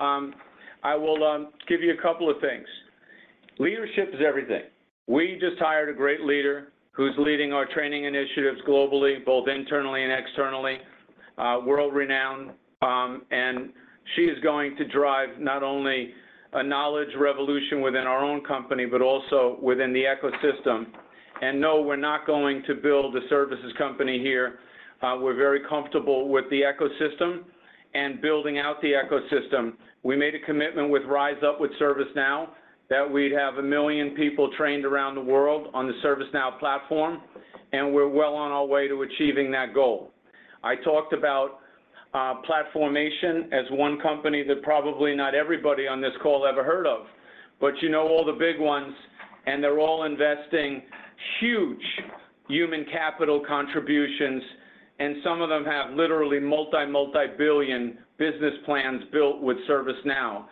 I will give you a couple of things. Leadership is everything. We just hired a great leader who's leading our training initiatives globally, both internally and externally, world-renowned. She is going to drive not only a knowledge revolution within our own company but also within the ecosystem. No, we're not going to build a services company here. We're very comfortable with the ecosystem and building out the ecosystem. We made a commitment with Rise Up with ServiceNow that we'd have 1 million people trained around the world on the ServiceNow platform, and we're well on our way to achieving that goal. I talked about Plat4mation as one company that probably not everybody on this call ever heard of, but you know all the big ones, and they're all investing huge human capital contributions, and some of them have literally multi, multi-billion business plans built with ServiceNow.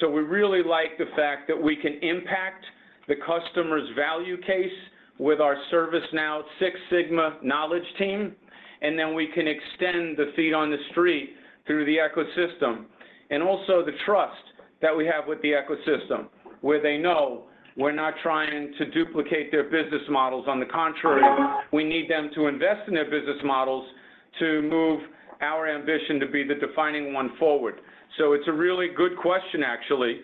So we really like the fact that we can impact the customer's value case with our ServiceNow Six Sigma knowledge team, and then we can extend the feet on the street through the ecosystem and also the trust that we have with the ecosystem where they know we're not trying to duplicate their business models. On the contrary, we need them to invest in their business models to move our ambition to be the defining one forward. So it's a really good question, actually.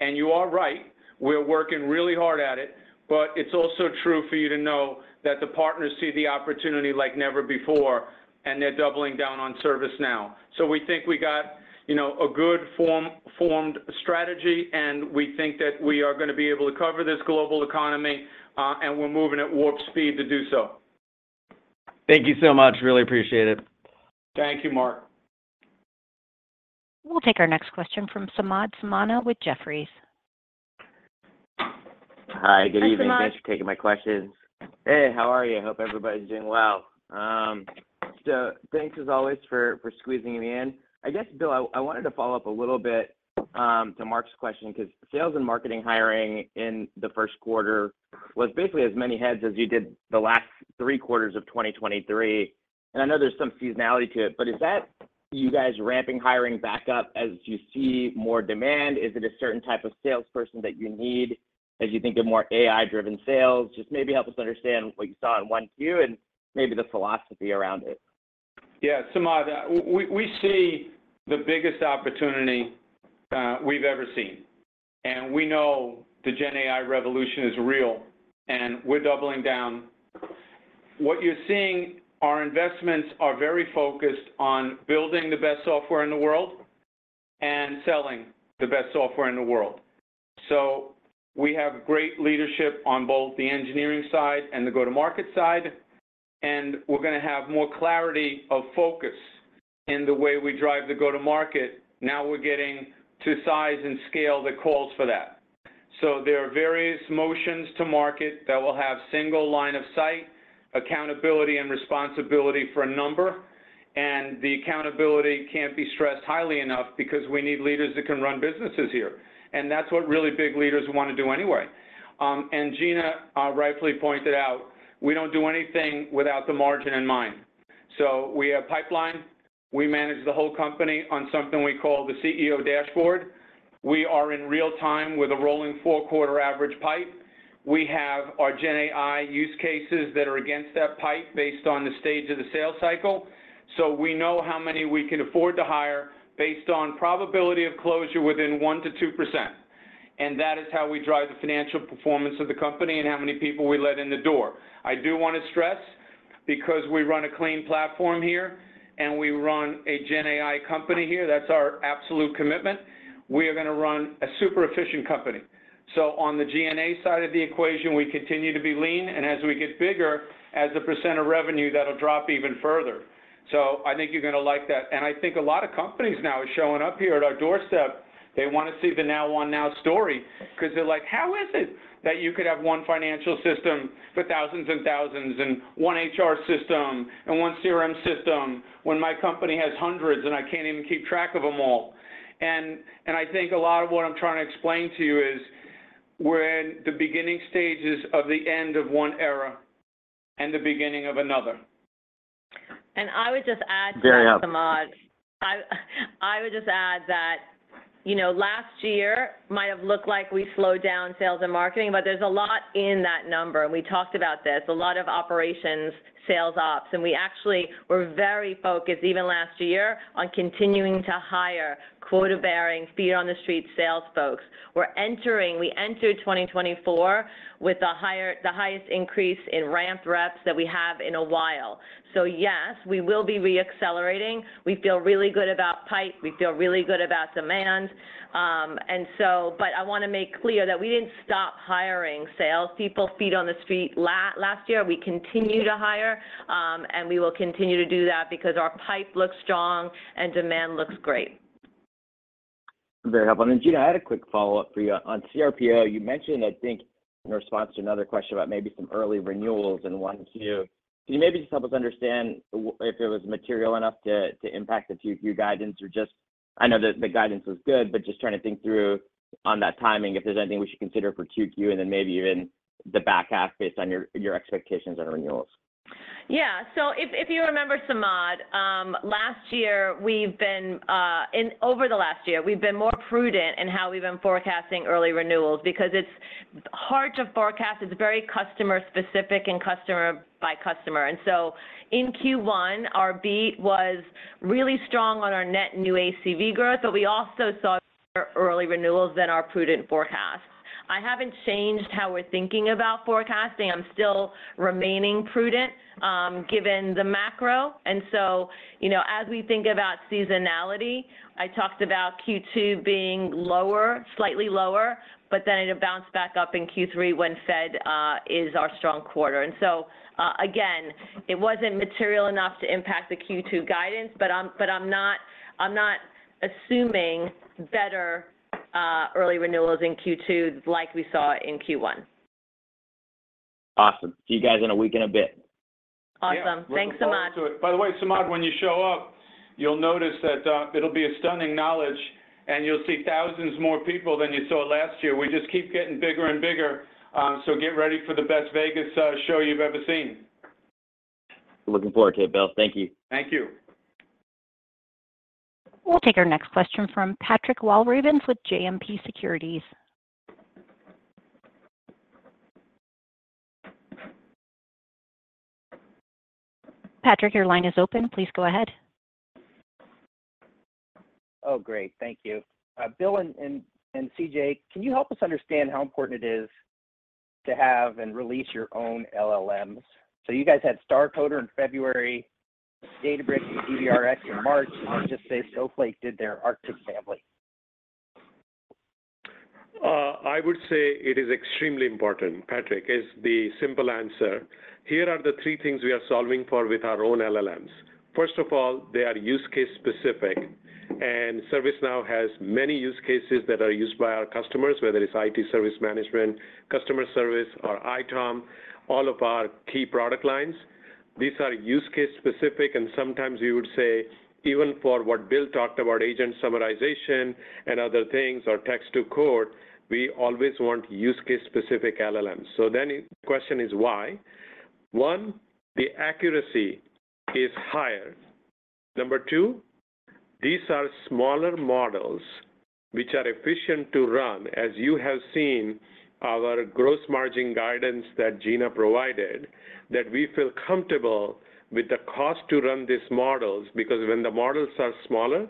And you are right. We're working really hard at it. But it's also true for you to know that the partners see the opportunity like never before, and they're doubling down on ServiceNow. So we think we got a good formed strategy, and we think that we are going to be able to cover this global economy, and we're moving at warp speed to do so. Thank you so much. Really appreciate it. Thank you, Mark. We'll take our next question from Samad Samana with Jefferies. Hi. Good evening. Thanks for taking my questions. Hey, how are you? I hope everybody's doing well. So thanks as always for squeezing me in. I guess, Bill, I wanted to follow up a little bit to Mark's question because sales and marketing hiring in the first quarter was basically as many heads as you did the last three quarters of 2023. And I know there's some seasonality to it, but is that you guys ramping hiring back up as you see more demand? Is it a certain type of salesperson that you need as you think of more AI-driven sales? Just maybe help us understand what you saw in Q1 and maybe the philosophy around it. Yeah. Samad, we see the biggest opportunity we've ever seen. We know the GenAI revolution is real, and we're doubling down. What you're seeing, our investments are very focused on building the best software in the world and selling the best software in the world. So we have great leadership on both the engineering side and the go-to-market side, and we're going to have more clarity of focus in the way we drive the go-to-market. Now we're getting to size and scale that calls for that. So there are various motions to market that will have single line of sight, accountability, and responsibility for a number. And the accountability can't be stressed highly enough because we need leaders that can run businesses here. And that's what really big leaders want to do anyway. And Gina rightfully pointed out, we don't do anything without the margin in mind. So we have pipeline. We manage the whole company on something we call the CEO dashboard. We are in real time with a rolling four-quarter average pipe. We have our GenAI use cases that are against that pipe based on the stage of the sales cycle. So we know how many we can afford to hire based on probability of closure within 1%-2%. And that is how we drive the financial performance of the company and how many people we let in the door. I do want to stress because we run a clean platform here, and we run a GenAI company here. That's our absolute commitment. We are going to run a super efficient company. So on the G&A side of the equation, we continue to be lean, and as we get bigger, as the percent of revenue, that'll drop even further. So I think you're going to like that. I think a lot of companies now are showing up here at our doorstep. They want to see the Now on Now story because they're like, "How is it that you could have one financial system for thousands and thousands and one HR system and one CRM system when my company has hundreds and I can't even keep track of them all?" I think a lot of what I'm trying to explain to you is we're in the beginning stages of the end of one era and the beginning of another. I would just add to that, Samad. I would just add that last year might have looked like we slowed down sales and marketing, but there's a lot in that number. We talked about this, a lot of operations, sales ops. We actually were very focused even last year on continuing to hire quota-bearing, feet-on-the-street sales folks. We entered 2024 with the highest increase in ramped reps that we have in a while. So yes, we will be reaccelerating. We feel really good about pipe. We feel really good about demand. But I want to make clear that we didn't stop hiring salespeople, feet-on-the-street last year. We continue to hire, and we will continue to do that because our pipe looks strong and demand looks great. Very helpful. Gina, I had a quick follow-up for you on CRPO. You mentioned, I think, in response to another question about maybe some early renewals in Q1, can you maybe just help us understand if it was material enough to impact the Q2 guidance or just I know that the guidance was good, but just trying to think through on that timing if there's anything we should consider for Q2 and then maybe even the back half based on your expectations on renewals. Yeah. So if you remember, Samad, last year we've been over the last year, we've been more prudent in how we've been forecasting early renewals because it's hard to forecast. It's very customer-specific and customer by customer. And so in Q1, our beat was really strong on our net new ACV growth, but we also saw early renewals that are prudent forecasts. I haven't changed how we're thinking about forecasting. I'm still remaining prudent given the macro. So as we think about seasonality, I talked about Q2 being lower, slightly lower, but then it bounced back up in Q3 when Q4 is our strong quarter. So again, it wasn't material enough to impact the Q2 guidance, but I'm not assuming better early renewals in Q2 like we saw in Q1. Awesome. See you guys in a week and a bit. Awesome. Thanks so much. By the way, Samad, when you show up, you'll notice that it'll be a stunning Knowledge, and you'll see thousands more people than you saw last year. We just keep getting bigger and bigger. So get ready for the best Vegas show you've ever seen. Looking forward to it, Bill. Thank you. Thank you. We'll take our next question from Patrick Walravens with JMP Securities. Patrick, your line is open. Please go ahead. Oh, great. Thank you. Bill and CJ, can you help us understand how important it is to have and release your own LLMs? So you guys had StarCoder in February, Databricks and DBRX in March, and then just say Snowflake did their Arctic family. I would say it is extremely important, Patrick, is the simple answer. Here are the three things we are solving for with our own LLMs. First of all, they are use-case-specific. And ServiceNow has many use cases that are used by our customers, whether it's IT service management, customer service, or ITOM, all of our key product lines. These are use-case-specific, and sometimes you would say even for what Bill talked about, agent summarization and other things or text-to-code, we always want use-case-specific LLMs. So then the question is why? One, the accuracy is higher. Number two, these are smaller models which are efficient to run. As you have seen our gross margin guidance that Gina provided, that we feel comfortable with the cost to run these models because when the models are smaller,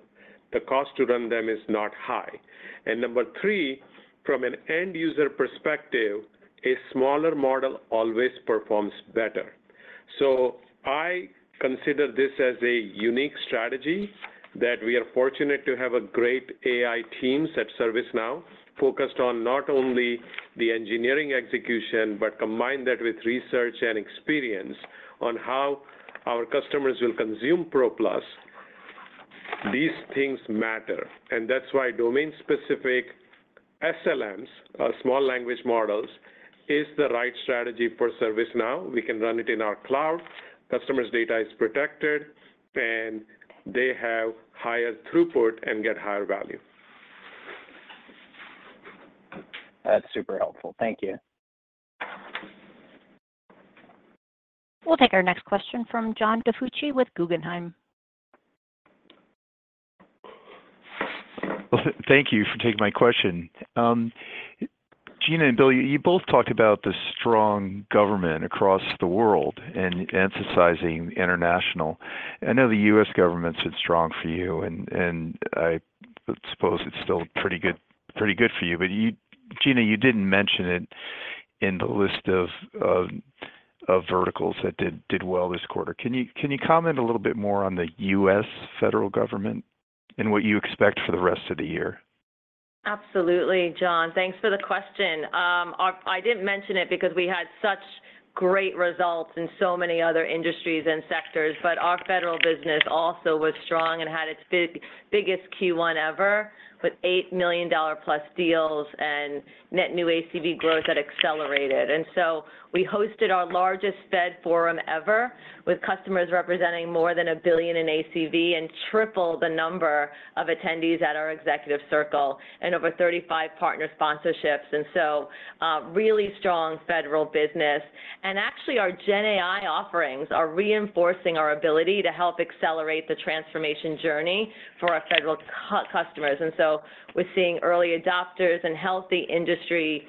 the cost to run them is not high. And number three, from an end-user perspective, a smaller model always performs better. So I consider this as a unique strategy that we are fortunate to have great AI teams at ServiceNow focused on not only the engineering execution but combine that with research and experience on how our customers will consumePro Plus. These things matter. And that's why domain-specific SLMs, small language models, is the right strategy for ServiceNow. We can run it in our cloud. Customer's data is protected, and they have higher throughput and get higher value. That's super helpful. Thank you. We'll take our next question from John DiFucci with Guggenheim. Thank you for taking my question. Gina and Bill, you both talked about the strong government across the world and emphasizing international. I know the U.S. government's been strong for you, and I suppose it's still pretty good for you. But Gina, you didn't mention it in the list of verticals that did well this quarter. Can you comment a little bit more on the U.S. federal government and what you expect for the rest of the year? Absolutely, John. Thanks for the question. I didn't mention it because we had such great results in so many other industries and sectors, but our federal business also was strong and had its biggest Q1 ever with $8 million-plus deals and net new ACV growth that accelerated. We hosted our largest Fed forum ever with customers representing more than $1 billion in ACV and triple the number of attendees at our executive circle and over 35 partner sponsorships. Really strong federal business. Actually, our GenAI offerings are reinforcing our ability to help accelerate the transformation journey for our federal customers. We're seeing early adopters and healthy industry,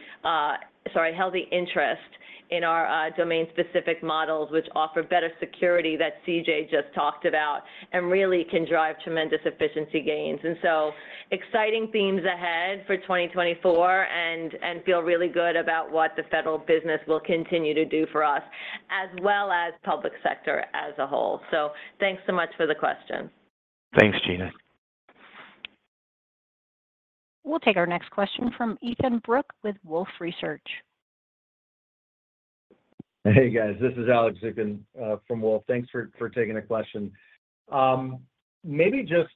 sorry, healthy interest in our domain-specific models which offer better security that CJ just talked about and really can drive tremendous efficiency gains. Exciting themes ahead for 2024 and feel really good about what the federal business will continue to do for us as well as public sector as a whole. So thanks so much for the question. Thanks, Gina. We'll take our next question from Ethan Brook with Wolfe Research. Hey, guys. This is Alex Zukin from Wolfe. Thanks for taking the question. Maybe just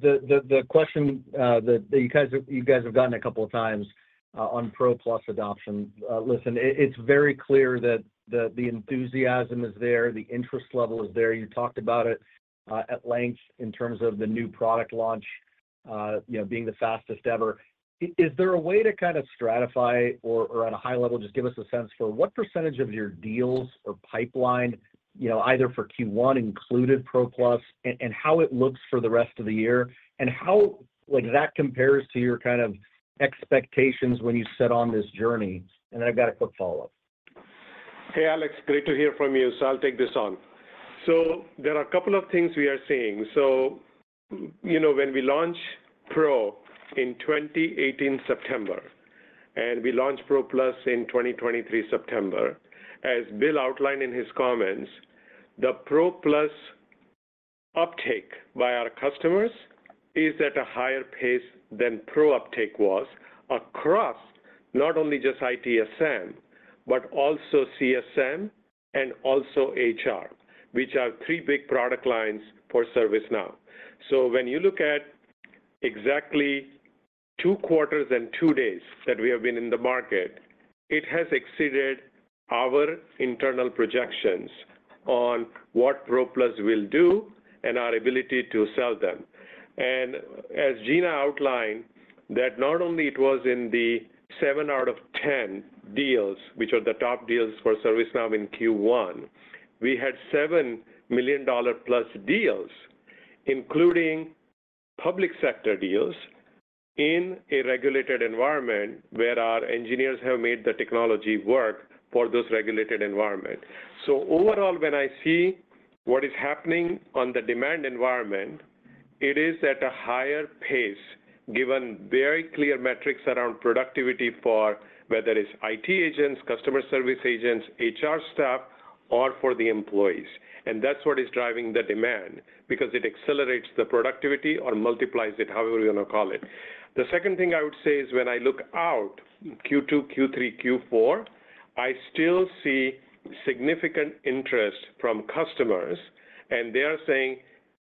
the question that you guys have gotten a couple of times on Pro Plus adoption. Listen, it's very clear that the enthusiasm is there. The interest level is there. You talked about it at length in terms of the new product launch being the fastest ever. Is there a way to kind of stratify or at a high level, just give us a sense for what percentage of your deals or pipeline, either for Q1 included Pro Plus, and how it looks for the rest of the year and how that compares to your kind of expectations when you set on this journey? And then I've got a quick follow-up. Hey, Alex. Great to hear from you. So I'll take this on. So there are a couple of things we are seeing. So when we launch Pro in 2018 September and we launchPro Plus in 2023 September, as Bill outlined in his comments, thePro Plus uptake by our customers is at a higher pace than Pro uptake was across not only just ITSM but also CSM and also HR, which are three big product lines for ServiceNow. So when you look at exactly 2 quarters and 2 days that we have been in the market, it has exceeded our internal projections on whatPro Plus will do and our ability to sell them. And as Gina outlined, that not only it was in the 7 out of 10 deals, which are the top deals for ServiceNow in Q1, we had $7 million+ deals, including public sector deals, in a regulated environment where our engineers have made the technology work for those regulated environments. Overall, when I see what is happening on the demand environment, it is at a higher pace given very clear metrics around productivity for whether it's IT agents, customer service agents, HR staff, or for the employees. That's what is driving the demand because it accelerates the productivity or multiplies it, however you want to call it. The second thing I would say is when I look out Q2, Q3, Q4, I still see significant interest from customers. And they are saying,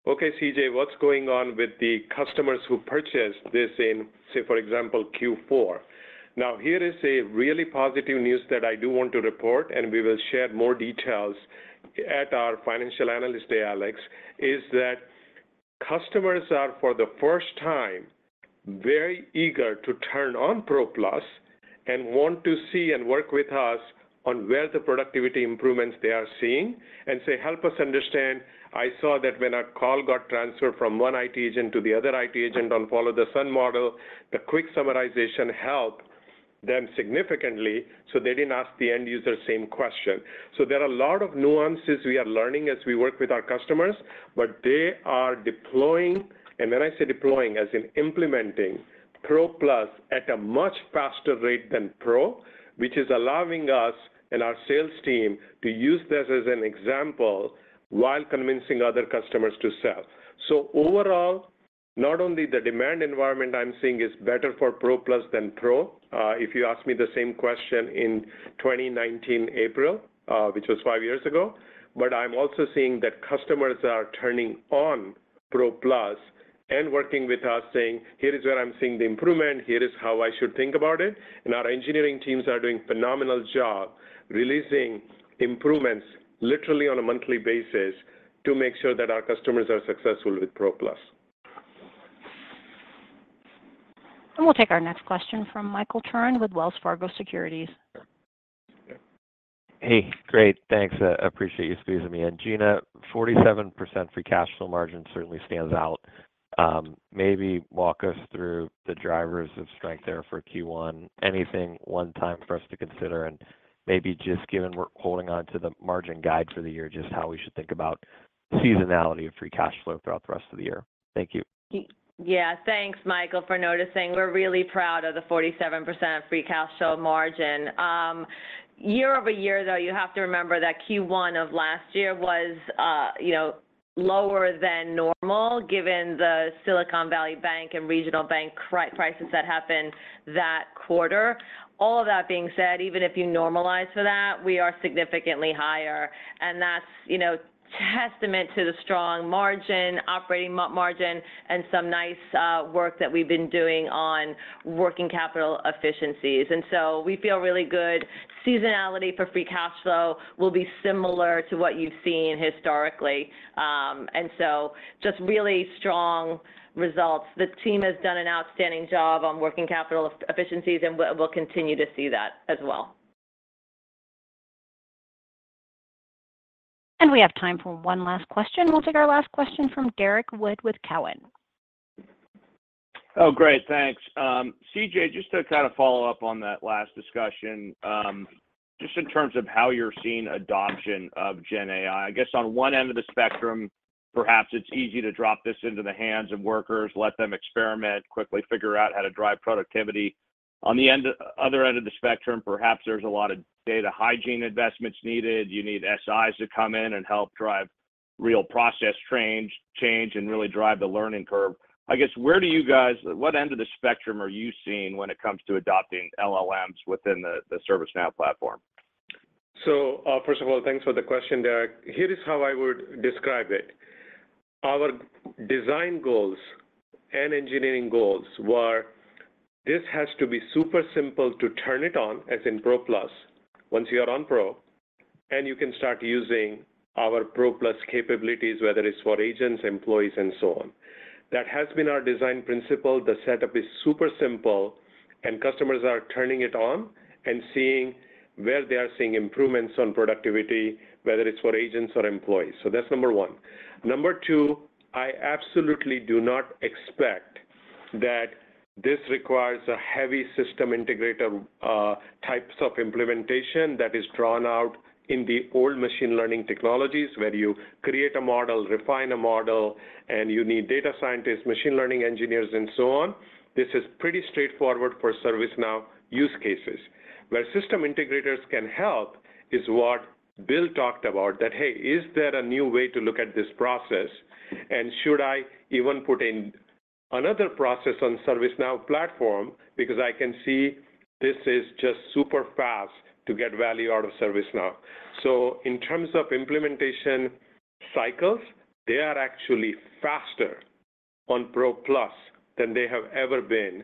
"Okay, CJ, what's going on with the customers who purchased this in, say, for example, Q4?" Now, here is a really positive news that I do want to report, and we will share more details at our Financial Analyst Day, Alex. Is that customers are, for the first time, very eager to turn on Pro Plus and want to see and work with us on where the productivity improvements they are seeing and say, "Help us understand. I saw that when a call got transferred from one IT agent to the other IT agent on Follow the Sun model, the quick summarization helped them significantly, so they didn't ask the end user the same question." So there are a lot of nuances we are learning as we work with our customers, but they are deploying and when I say deploying, as in implementingPro Plus at a much faster rate than Pro, which is allowing us and our sales team to use this as an example while convincing other customers to sell. So overall, not only the demand environment I'm seeing is better forPro Plus than Pro if you ask me the same question in 2019 April, which was five years ago, but I'm also seeing that customers are turning onPro Plus and working with us, saying, "Here is where I'm seeing the improvement. Here is how I should think about it." Our engineering teams are doing a phenomenal job releasing improvements literally on a monthly basis to make sure that our customers are successful withPro Plus. We'll take our next question from Michael Turrin with Wells Fargo Securities. Hey. Great. Thanks. I appreciate you squeezing me. Gina, 47% free cash flow margin certainly stands out. Maybe walk us through the drivers of strength there for Q1, anything one-time for us to consider, and maybe just given we're holding onto the margin guide for the year, just how we should think about seasonality of free cash flow throughout the rest of the year. Thank you. Yeah. Thanks, Michael, for noticing. We're really proud of the 47% free cash flow margin. Year over year, though, you have to remember that Q1 of last year was lower than normal given the Silicon Valley Bank and regional bank credit crisis that happened that quarter. All of that being said, even if you normalize for that, we are significantly higher. And that's testament to the strong margin, operating margin, and some nice work that we've been doing on working capital efficiencies. And so we feel really good. Seasonality for free cash flow will be similar to what you've seen historically. And so just really strong results. The team has done an outstanding job on working capital efficiencies, and we'll continue to see that as well. And we have time for one last question. We'll take our last question from Derek Wood with Cowen. Oh, great. Thanks. CJ, just to kind of follow up on that last discussion, just in terms of how you're seeing adoption of GenAI, I guess on one end of the spectrum, perhaps it's easy to drop this into the hands of workers, let them experiment, quickly figure out how to drive productivity. On the other end of the spectrum, perhaps there's a lot of data hygiene investments needed. You need SIs to come in and help drive real process change and really drive the learning curve. I guess where do you guys what end of the spectrum are you seeing when it comes to adopting LLMs within the ServiceNow platform? So first of all, thanks for the question, Derek. Here is how I would describe it. Our design goals and engineering goals were this: has to be super simple to turn it on, as in Pro Plus, once you are on Pro, and you can start using our Pro Plus capabilities, whether it's for agents, employees, and so on. That has been our design principle. The setup is super simple, and customers are turning it on and seeing where they are seeing improvements on productivity, whether it's for agents or employees. So that's number one. Number two, I absolutely do not expect that this requires a heavy system integrator types of implementation that is drawn out in the old machine learning technologies where you create a model, refine a model, and you need data scientists, machine learning engineers, and so on. This is pretty straightforward for ServiceNow use cases. Where system integrators can help is what Bill talked about, that, "Hey, is there a new way to look at this process? And should I even put in another process on ServiceNow platform because I can see this is just super fast to get value out of ServiceNow?" So in terms of implementation cycles, they are actually faster onPro Plus than they have ever been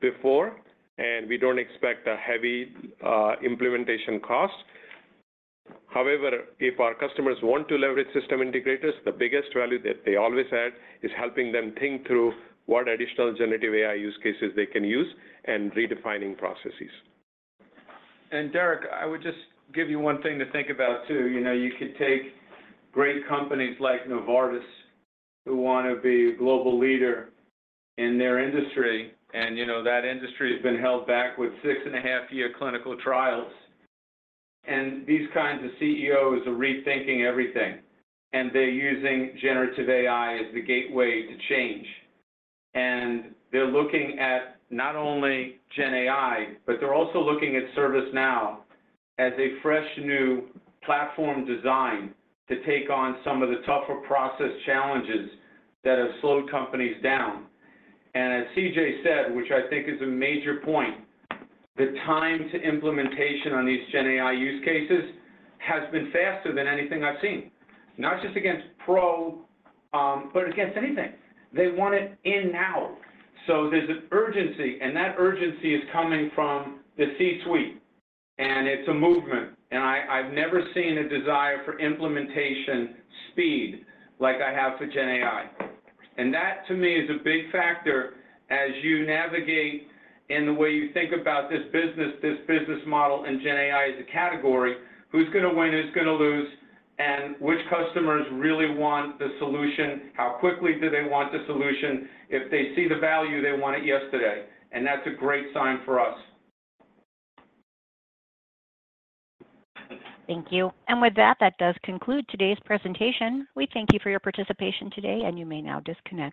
before, and we don't expect a heavy implementation cost. However, if our customers want to leverage system integrators, the biggest value that they always add is helping them think through what additional generative AI use cases they can use and redefining processes. And Derek, I would just give you one thing to think about too. You could take great companies like Novartis who want to be a global leader in their industry, and that industry has been held back with 6.5-year clinical trials. These kinds of CEOs are rethinking everything, and they're using generative AI as the gateway to change. They're looking at not only GenAI, but they're also looking at ServiceNow as a fresh new platform design to take on some of the tougher process challenges that have slowed companies down. As CJ said, which I think is a major point, the time to implementation on these GenAI use cases has been faster than anything I've seen, not just against Pro, but against anything. They want it in now. So there's an urgency, and that urgency is coming from the C-suite, and it's a movement. I've never seen a desire for implementation speed like I have for GenAI. That, to me, is a big factor as you navigate in the way you think about this business, this business model, and GenAI as a category, who's going to win, who's going to lose, and which customers really want the solution, how quickly do they want the solution if they see the value they wanted yesterday. That's a great sign for us. Thank you. With that, that does conclude today's presentation. We thank you for your participation today, and you may now disconnect.